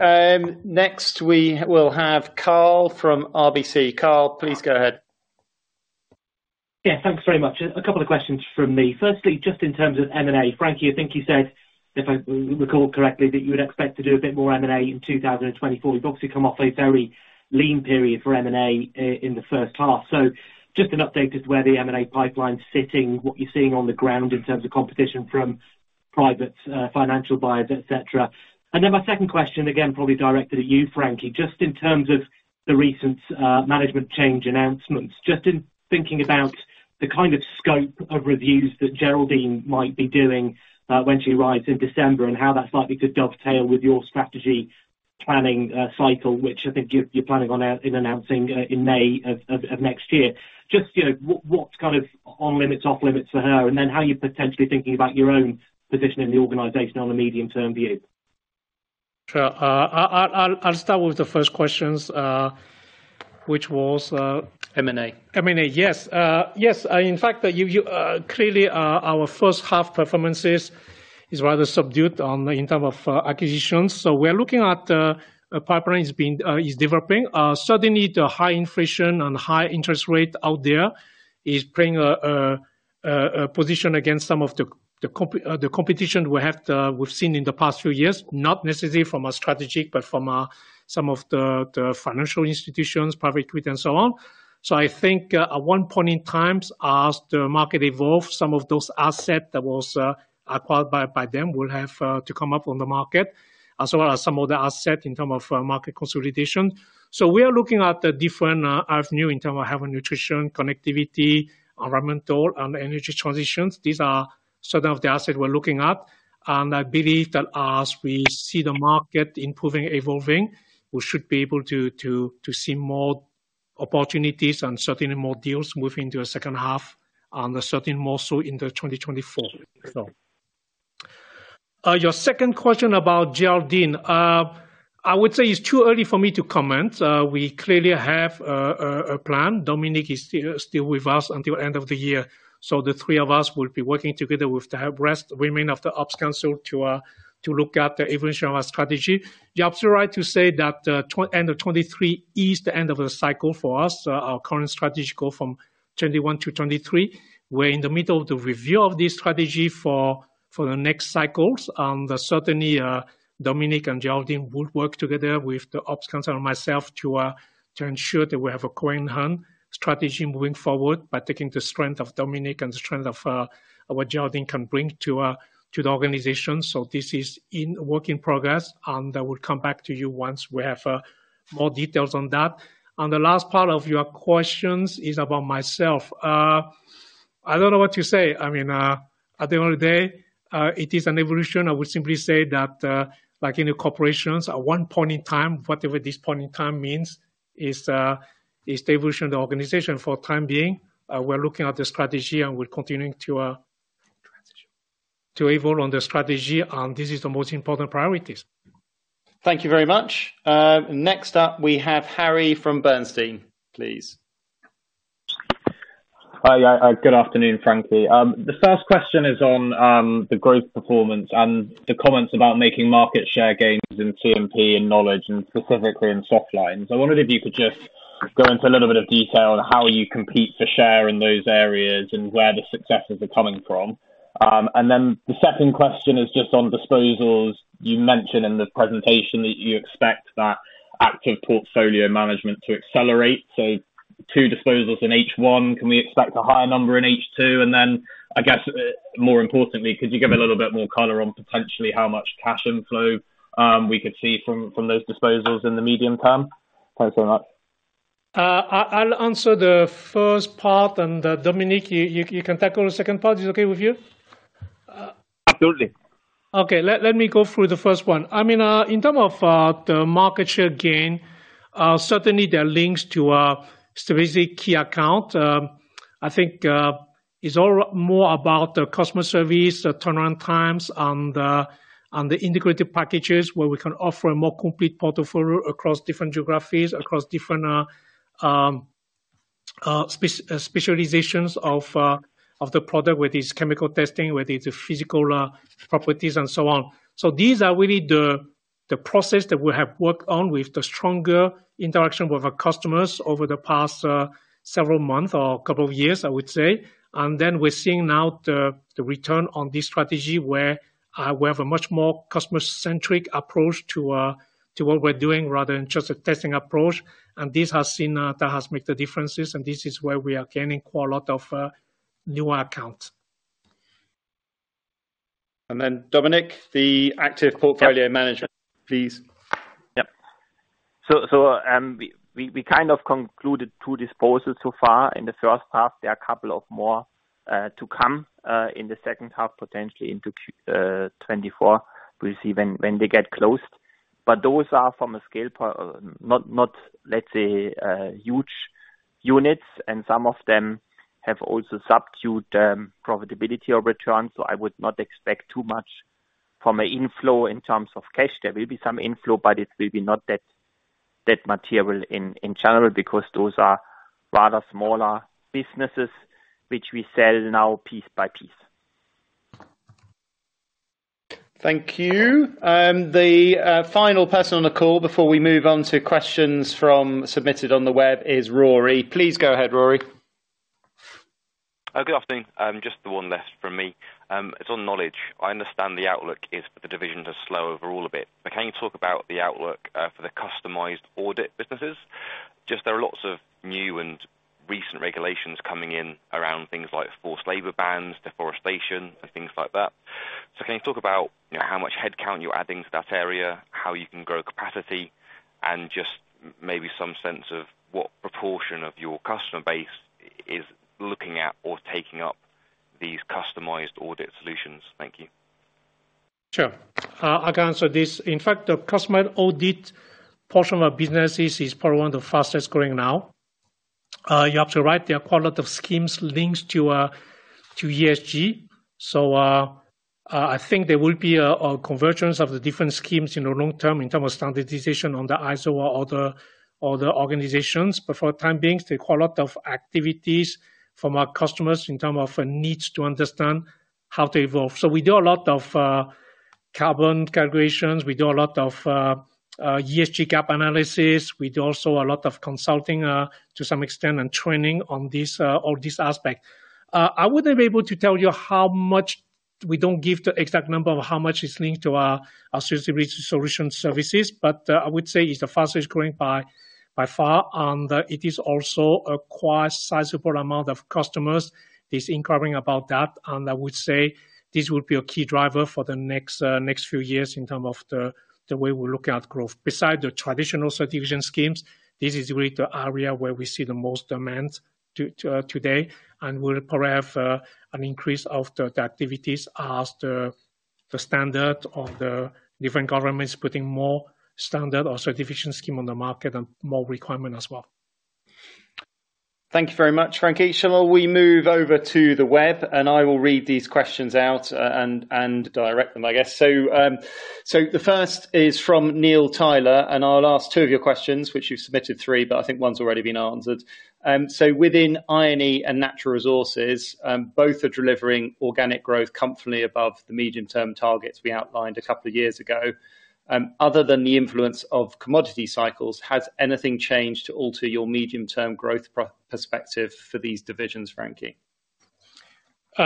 Next, we will have Carl from RBC. Carl, please go ahead. Yeah, thanks very much. A couple of questions from me. Firstly, just in terms of M&A. Frankie, I think you said, if I recall correctly, that you would expect to do a bit more M&A in 2024. You've obviously come off a very lean period for M&A in the first half. Just an update as to where the M&A pipeline is sitting, what you're seeing on the ground in terms of competition from private, financial buyers, et cetera. My second question, again, probably directed at you, Frankie, just in terms of the recent management change announcements, just in thinking about the kind of scope of reviews that Geraldine might be doing, when she arrives in December, and how that's likely to dovetail with your strategy planning cycle, which I think you're planning on announcing in May of next year. Just, you know, what's kind of on limits, off limits for her, and then how you're potentially thinking about your own position in the organization on the medium-term view? Sure. I'll start with the first questions, which was. M&A. M&A. Yes. Yes, in fact, you, clearly, our first half performances is rather subdued in term of acquisitions. We're looking at a pipeline is developing. Certainly, the high inflation and high interest rate out there is bringing a position against some of the competition we have, we've seen in the past few years, not necessarily from a strategic, but from some of the financial institutions, private equity, and so on. I think, at one point in time, as the market evolves, some of those assets that was acquired by them will have to come up on the market, as well as some other assets in term of market consolidation. We are looking at the different avenue in term of health and nutrition, connectivity, environmental and energy transitions. These are some of the assets we're looking at, and I believe that as we see the market improving and evolving, we should be able to see more opportunities and certainly more deals moving into the second half and certainly more so in 2024. Your second question about Geraldine. I would say it's too early for me to comment. We clearly have a plan. Dominik is still with us until end of the year, so the three of us will be working together with the rest women of the ops council to look at the evolution of our strategy. You're absolutely right to say that, end of 23 is the end of a cycle for us. Our current strategy go from 21 to 23. We're in the middle of the review of this strategy for the next cycles. Certainly, Dominik and Geraldine will work together with the ops council and myself to ensure that we have a coherent strategy moving forward by taking the strength of Dominik and the strength of what Geraldine can bring to the organization. This is in work in progress, and I will come back to you once we have more details on that. On the last part of your questions is about myself. I don't know what to say. I mean, at the end of the day, it is an evolution. I would simply say that, like any corporations, at one point in time, whatever this point in time means, is, the establishment of the organization for time being, we're looking at the strategy, and we're continuing to evolve on the strategy, and this is the most important priorities. Thank you very much. Next up, we have Harry from Bernstein, please. Hi, good afternoon, Frankie. The first question is on the growth performance and the comments about making market share gains in TMP and knowledge, and specifically in soft lines. I wondered if you could just go into a little bit of detail on how you compete for share in those areas and where the successes are coming from? The second question is just on disposals. You mentioned in the presentation that you expect that active portfolio management to accelerate, so two disposals in H1, can we expect a higher number in H2? I guess, more importantly, could you give a little bit more color on potentially how much cash inflow we could see from those disposals in the medium term? Thanks so much. I'll answer the first part, and, Dominik, you can tackle the second part. Is it okay with you? Absolutely. Okay, let me go through the first one. I mean, in term of the market share gain, certainly there are links to a strategic key account. I think it's all more about the customer service, the turnaround times, and the integrated packages, where we can offer a more complete portfolio across different geographies, across different specializations of the product, whether it's chemical testing, whether it's physical properties, and so on. These are really the process that we have worked on with the stronger interaction with our customers over the past several months or couple of years, I would say. We're seeing now the return on this strategy, where we have a much more customer-centric approach to what we're doing, rather than just a testing approach. This has seen, that has made the differences, and this is where we are gaining quite a lot of new accounts. Dominik, the active. Yep. Portfolio management, please. Yep. We kind of concluded 2 disposals so far in the first half. There are a couple of more to come in the second half, potentially into Q24. We'll see when they get closed. Those are from a scale per, not, let's say, huge units, and some of them have also subdued profitability or return, so I would not expect too much from an inflow in terms of cash. There will be some inflow, but it will be not that material in general, because those are rather smaller businesses, which we sell now piece by piece. Thank you. The final person on the call before we move on to questions from submitted on the web, is Rory. Please go ahead, Rory. Good afternoon. Just the one last from me. It's on knowledge. I understand the outlook is for the division to slow overall a bit, but can you talk about the outlook for the customized audit businesses? Just there are lots of new and recent regulations coming in around things like forced labor bans, deforestation, and things like that. Can you talk about, you know, how much headcount you're adding to that area, how you can grow capacity, and just maybe some sense of what proportion of your customer base is looking at or taking up these customized audit solutions? Thank you. Sure. I can answer this. In fact, the customer audit portion of our businesses is probably one of the fastest growing now. You're absolutely right, there are quite a lot of schemes links to ESG. I think there will be a convergence of the different schemes in the long term, in terms of standardization on the ISO or other organizations. For the time being, there's quite a lot of activities from our customers in term of needs to understand how to evolve. We do a lot of carbon calculations, we do a lot of ESG gap analysis, we do also a lot of consulting, to some extent, and training on this aspect. I wouldn't be able to tell you how much. We don't give the exact number of how much is linked to our solution services, but I would say it's the fastest growing by far, and it is also a quite sizable amount of customers is inquiring about that. I would say this will be a key driver for the next few years in terms of the way we look at growth. Beside the traditional certification schemes, this is really the area where we see the most demand today, and we'll probably have an increase of the activities as the standard of the different governments putting more standard or certification scheme on the market, and more requirement as well. Thank you very much, Frankie. Shall we move over to the web, I will read these questions out and direct them, I guess. The first is from Neil Tyler, I'll ask 2 of your questions, which you've submitted 3, but I think one's already been answered. Within I&E and natural resources, both are delivering organic growth comfortably above the medium-term targets we outlined a couple of years ago. Other than the influence of commodity cycles, has anything changed to alter your medium-term growth perspective for these divisions, Frankie? You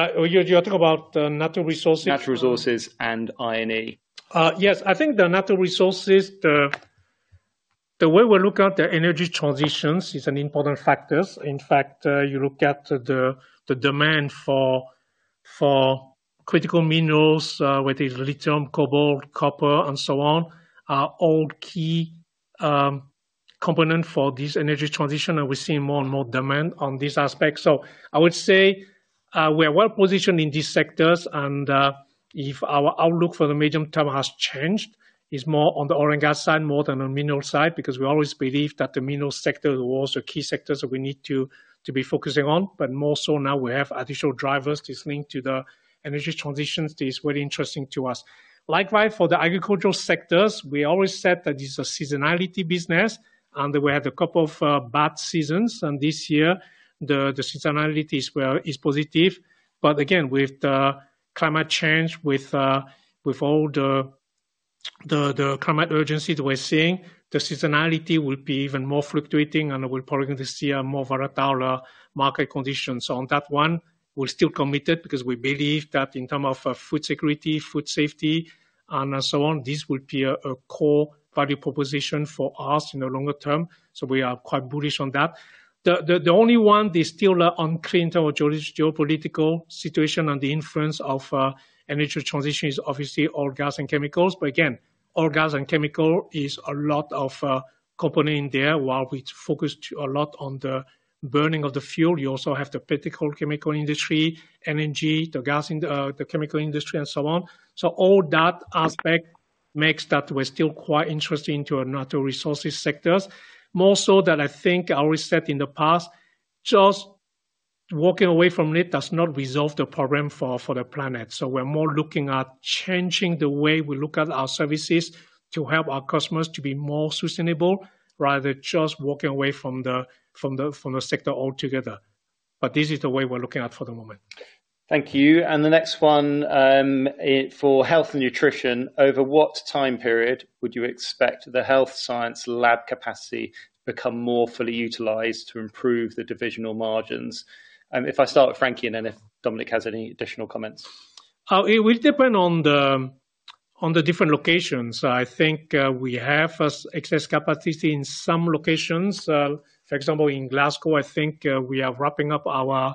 are talking about natural resources? Natural resources and I&E. Yes. I think the natural resources, the way we look at the energy transitions is an important factors. In fact, you look at the demand for critical minerals, whether it's lithium, cobalt, copper, and so on, are all key component for this energy transition, and we're seeing more and more demand on this aspect. I would say, we are well positioned in these sectors, and if our outlook for the medium term has changed, it's more on the oil and gas side, more than on mineral side, because we always believe that the mineral sector was a key sector, so we need to be focusing on, but more so now we have additional drivers, this link to the energy transition is very interesting to us. Likewise, for the agricultural sectors, we always said that it's a seasonality business, and we had a couple of bad seasons, and this year, the seasonality is positive. Again, with the climate change, with all the climate urgency that we're seeing, the seasonality will be even more fluctuating, and we're probably going to see a more volatile market conditions. On that one, we're still committed because we believe that in term of food security, food safety, and so on, this will be a core value proposition for us in the longer term, so we are quite bullish on that. The only one is still on clean technological geopolitical situation and the influence of energy transition is obviously oil, gas, and chemicals. Again, oil, gas, and chemical is a lot of company in there. While we focused a lot on the burning of the fuel, you also have the petrochemical industry, energy, the gas, the chemical industry, and so on. All that aspect makes that we're still quite interested into our natural resources sectors. More so than I think I already said in the past, just walking away from it does not resolve the problem for the planet. We're more looking at changing the way we look at our services to help our customers to be more sustainable, rather than just walking away from the sector altogether. This is the way we're looking at for the moment. Thank you. The next one, is for health and nutrition: Over what time period would you expect the health science lab capacity become more fully utilized to improve the divisional margins? If I start with Frankie, and then if Dominik has any additional comments. It will depend on the different locations. I think we have as excess capacity in some locations. For example, in Glasgow, I think we are wrapping up our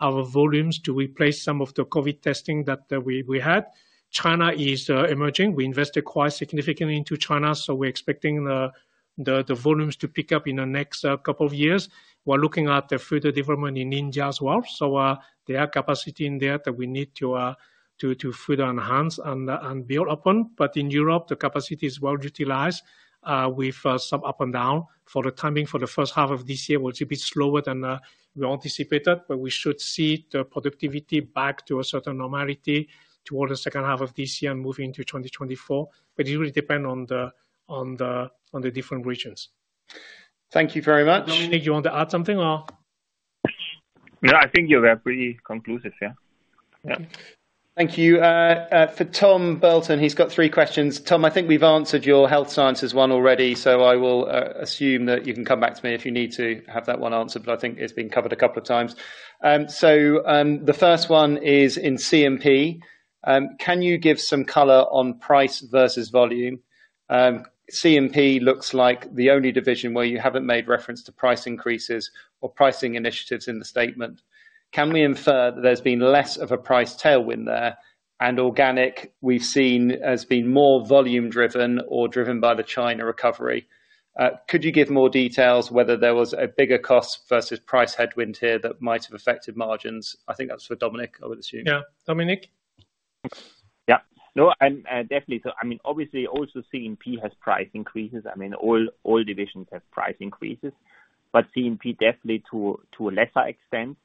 volumes to replace some of the COVID testing that we had. China is emerging. We invested quite significantly into China. We're expecting the volumes to pick up in the next couple of years. We're looking at the further development in India as well. There are capacity in there that we need to further enhance and build upon. In Europe, the capacity is well utilized, with some up and down. For the timing for the first half of this year, will it be slower than we anticipated. We should see the productivity back to a certain normality toward the second half of this year and moving into 2024. It will depend on the different regions. Thank you very much. Dominik, you want to add something or? No, I think you were pretty conclusive. Yeah. Yeah. Thank you. For Tom Burlton, he's got 3 questions. Tom, I think we've answered your health sciences one already, so I will assume that you can come back to me if you need to have that one answered, but I think it's been covered a couple of times. The first one is in CMP. Can you give some color on price versus volume? CMP looks like the only division where you haven't made reference to price increases or pricing initiatives in the statement. Can we infer that there's been less of a price tailwind there, and organic, we've seen, has been more volume driven or driven by the China recovery? Could you give more details whether there was a bigger cost versus price headwind here that might have affected margins? I think that's for Dominik, I would assume. Yeah. Dominik? Yeah. No, definitely. I mean, obviously, also CMP has price increases. I mean, all divisions have price increases, but CMP definitely to a lesser extent.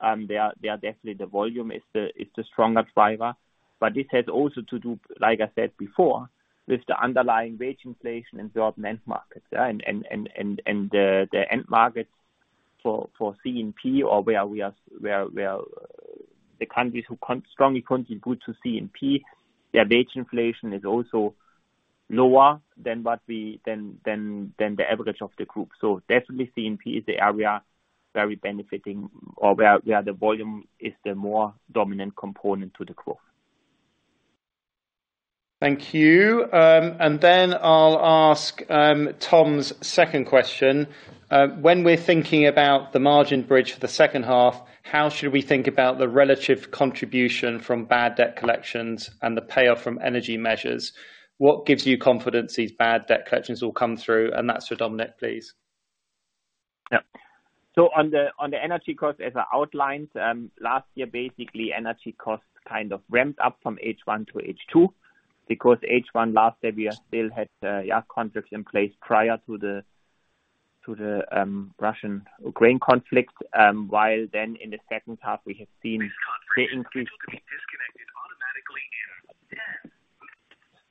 They are definitely the volume is the stronger driver, but this has also to do, like I said before, with the underlying wage inflation and development markets, the end markets for CMP or where we are where the countries who strongly contribute to CMP, their wage inflation is also lower than what we than the average of the group. Definitely CMP is the area very benefiting or where the volume is the more dominant component to the growth. Thank you. I'll ask Tom's second question. When we're thinking about the margin bridge for the second half, how should we think about the relative contribution from bad debt collections and the payoff from energy measures? What gives you confidence these bad debt collections will come through, and that's for Dominik, please. On the energy costs, as I outlined, last year, basically, energy costs kind of ramped up from H1 to H2, because H1 last year, we still had, yeah, contracts in place prior to the Russian-Ukraine conflict, while then in the second half, we have seen the increase-. o be disconnected automatically in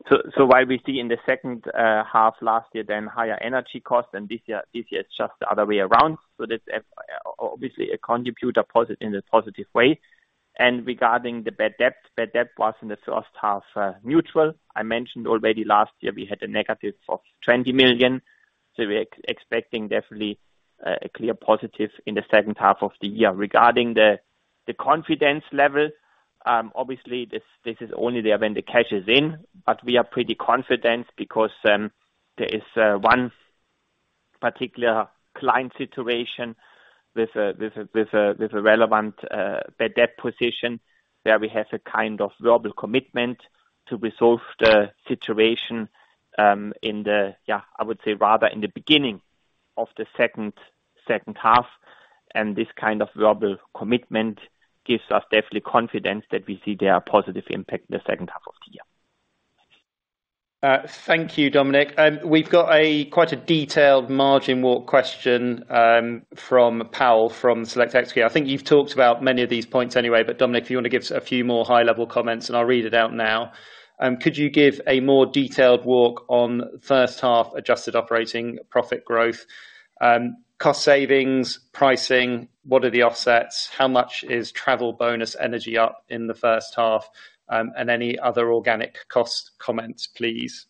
ten- While we see in the second half last year, then higher energy costs, then this year, this year is just the other way around. That's obviously a contributor in a positive way. Regarding the bad debt, bad debt was in the first half mutual. I mentioned already last year we had a negative of 20 million, so we're expecting definitely a clear positive in the second half of the year. Regarding the confidence level, obviously, this is only there when the cash is in, but we are pretty confident because there is one particular client situation with a relevant bad debt position, where we have a kind of global commitment to resolve the situation, in the, yeah, I would say rather, in the beginning of the second half. This kind of verbal commitment gives us definitely confidence that we see their positive impact in the second half of the year. Thank you, Dominik. We've got a quite a detailed margin walk question, from Paul, from Select Equities. I think you've talked about many of these points anyway. Dominik, if you want to give us a few more high-level comments, I'll read it out now. Could you give a more detailed walk on first half adjusted operating profit growth, cost savings, pricing? What are the offsets? How much is travel bonus energy up in the first half, and any other organic cost comments, please?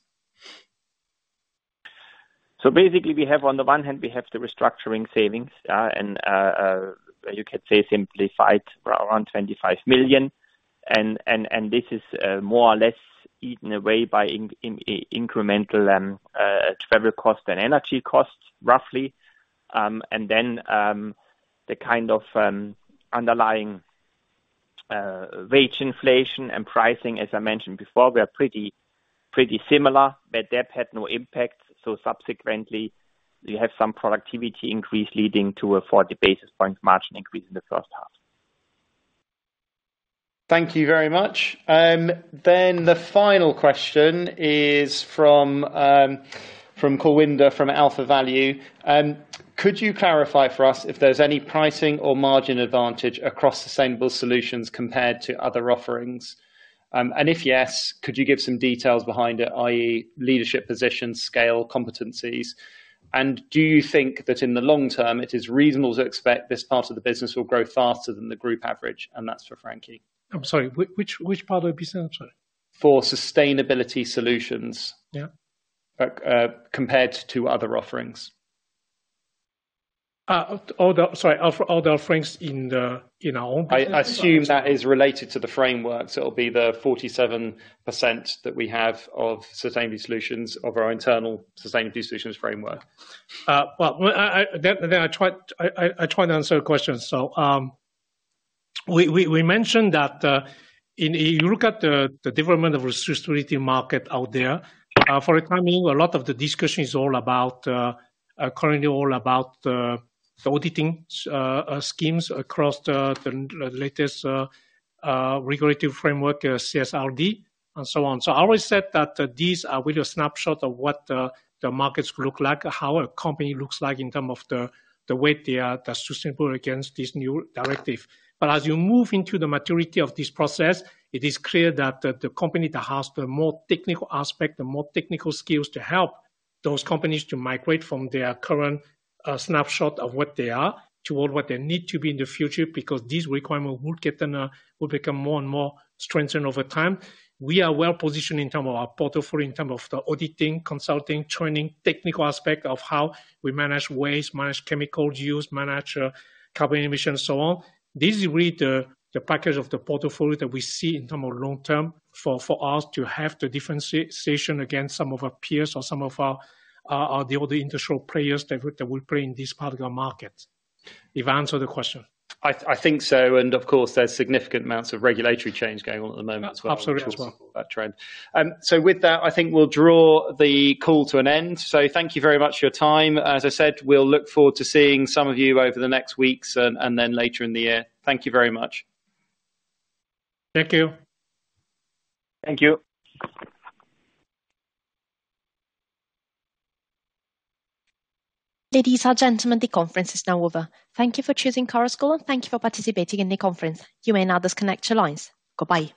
Basically, we have on the one hand, we have the restructuring savings, and you could say simplified around 25 million. This is more or less eaten away by incremental travel costs and energy costs, roughly. Then, the kind of underlying wage inflation and pricing, as I mentioned before, we are pretty similar. The debt had no impact. Subsequently, you have some productivity increase leading to a 40 basis points margin increase in the first half. Thank you very much. The final question is from Kourwan, from AlphaValue. Could you clarify for us if there's any pricing or margin advantage across sustainable solutions compared to other offerings? If yes, could you give some details behind it, i.e., leadership position, scale, competencies? Do you think that in the long term, it is reasonable to expect this part of the business will grow faster than the group average? That's for Frankie. I'm sorry, which part would be sorry? For sustainability solutions. Yeah. Compared to other offerings. Sorry, all the offerings in the, in our own business? I assume that is related to the framework, so it'll be the 47% that we have of sustainability solutions, of our internal sustainability solutions framework. Well, I then I try to answer the question. We mentioned that in, if you look at the development of sustainability market out there, for the time being, a lot of the discussion is all about, currently all about, the auditing schemes across the latest regulatory framework, CSRD, and so on. I always said that these are really a snapshot of what the markets look like, how a company looks like in term of the way they are sustainable against this new directive. As you move into the maturity of this process, it is clear that the company that has the more technical aspect and more technical skills to help those companies to migrate from their current snapshot of what they are toward what they need to be in the future, because these requirements will become more and more strengthened over time. We are well positioned in term of our portfolio, in term of the auditing, consulting, training, technical aspect of how we manage waste, manage chemical use, manage carbon emissions, so on. This is really the package of the portfolio that we see in term of long term, for us to have the differentiation against some of our peers or some of our, the other industrial players that will play in this particular market. If I answered the question. I think so, and of course, there's significant amounts of regulatory change going on at the moment as well. Absolutely, as well. That trend. With that, I think we'll draw the call to an end. Thank you very much for your time. As I said, we'll look forward to seeing some of you over the next weeks and then later in the year. Thank you very much. Thank you. Thank you. Ladies and gentlemen, the conference is now over. Thank you for choosing Chorus Call, and thank you for participating in the conference. You may now disconnect your lines. Goodbye.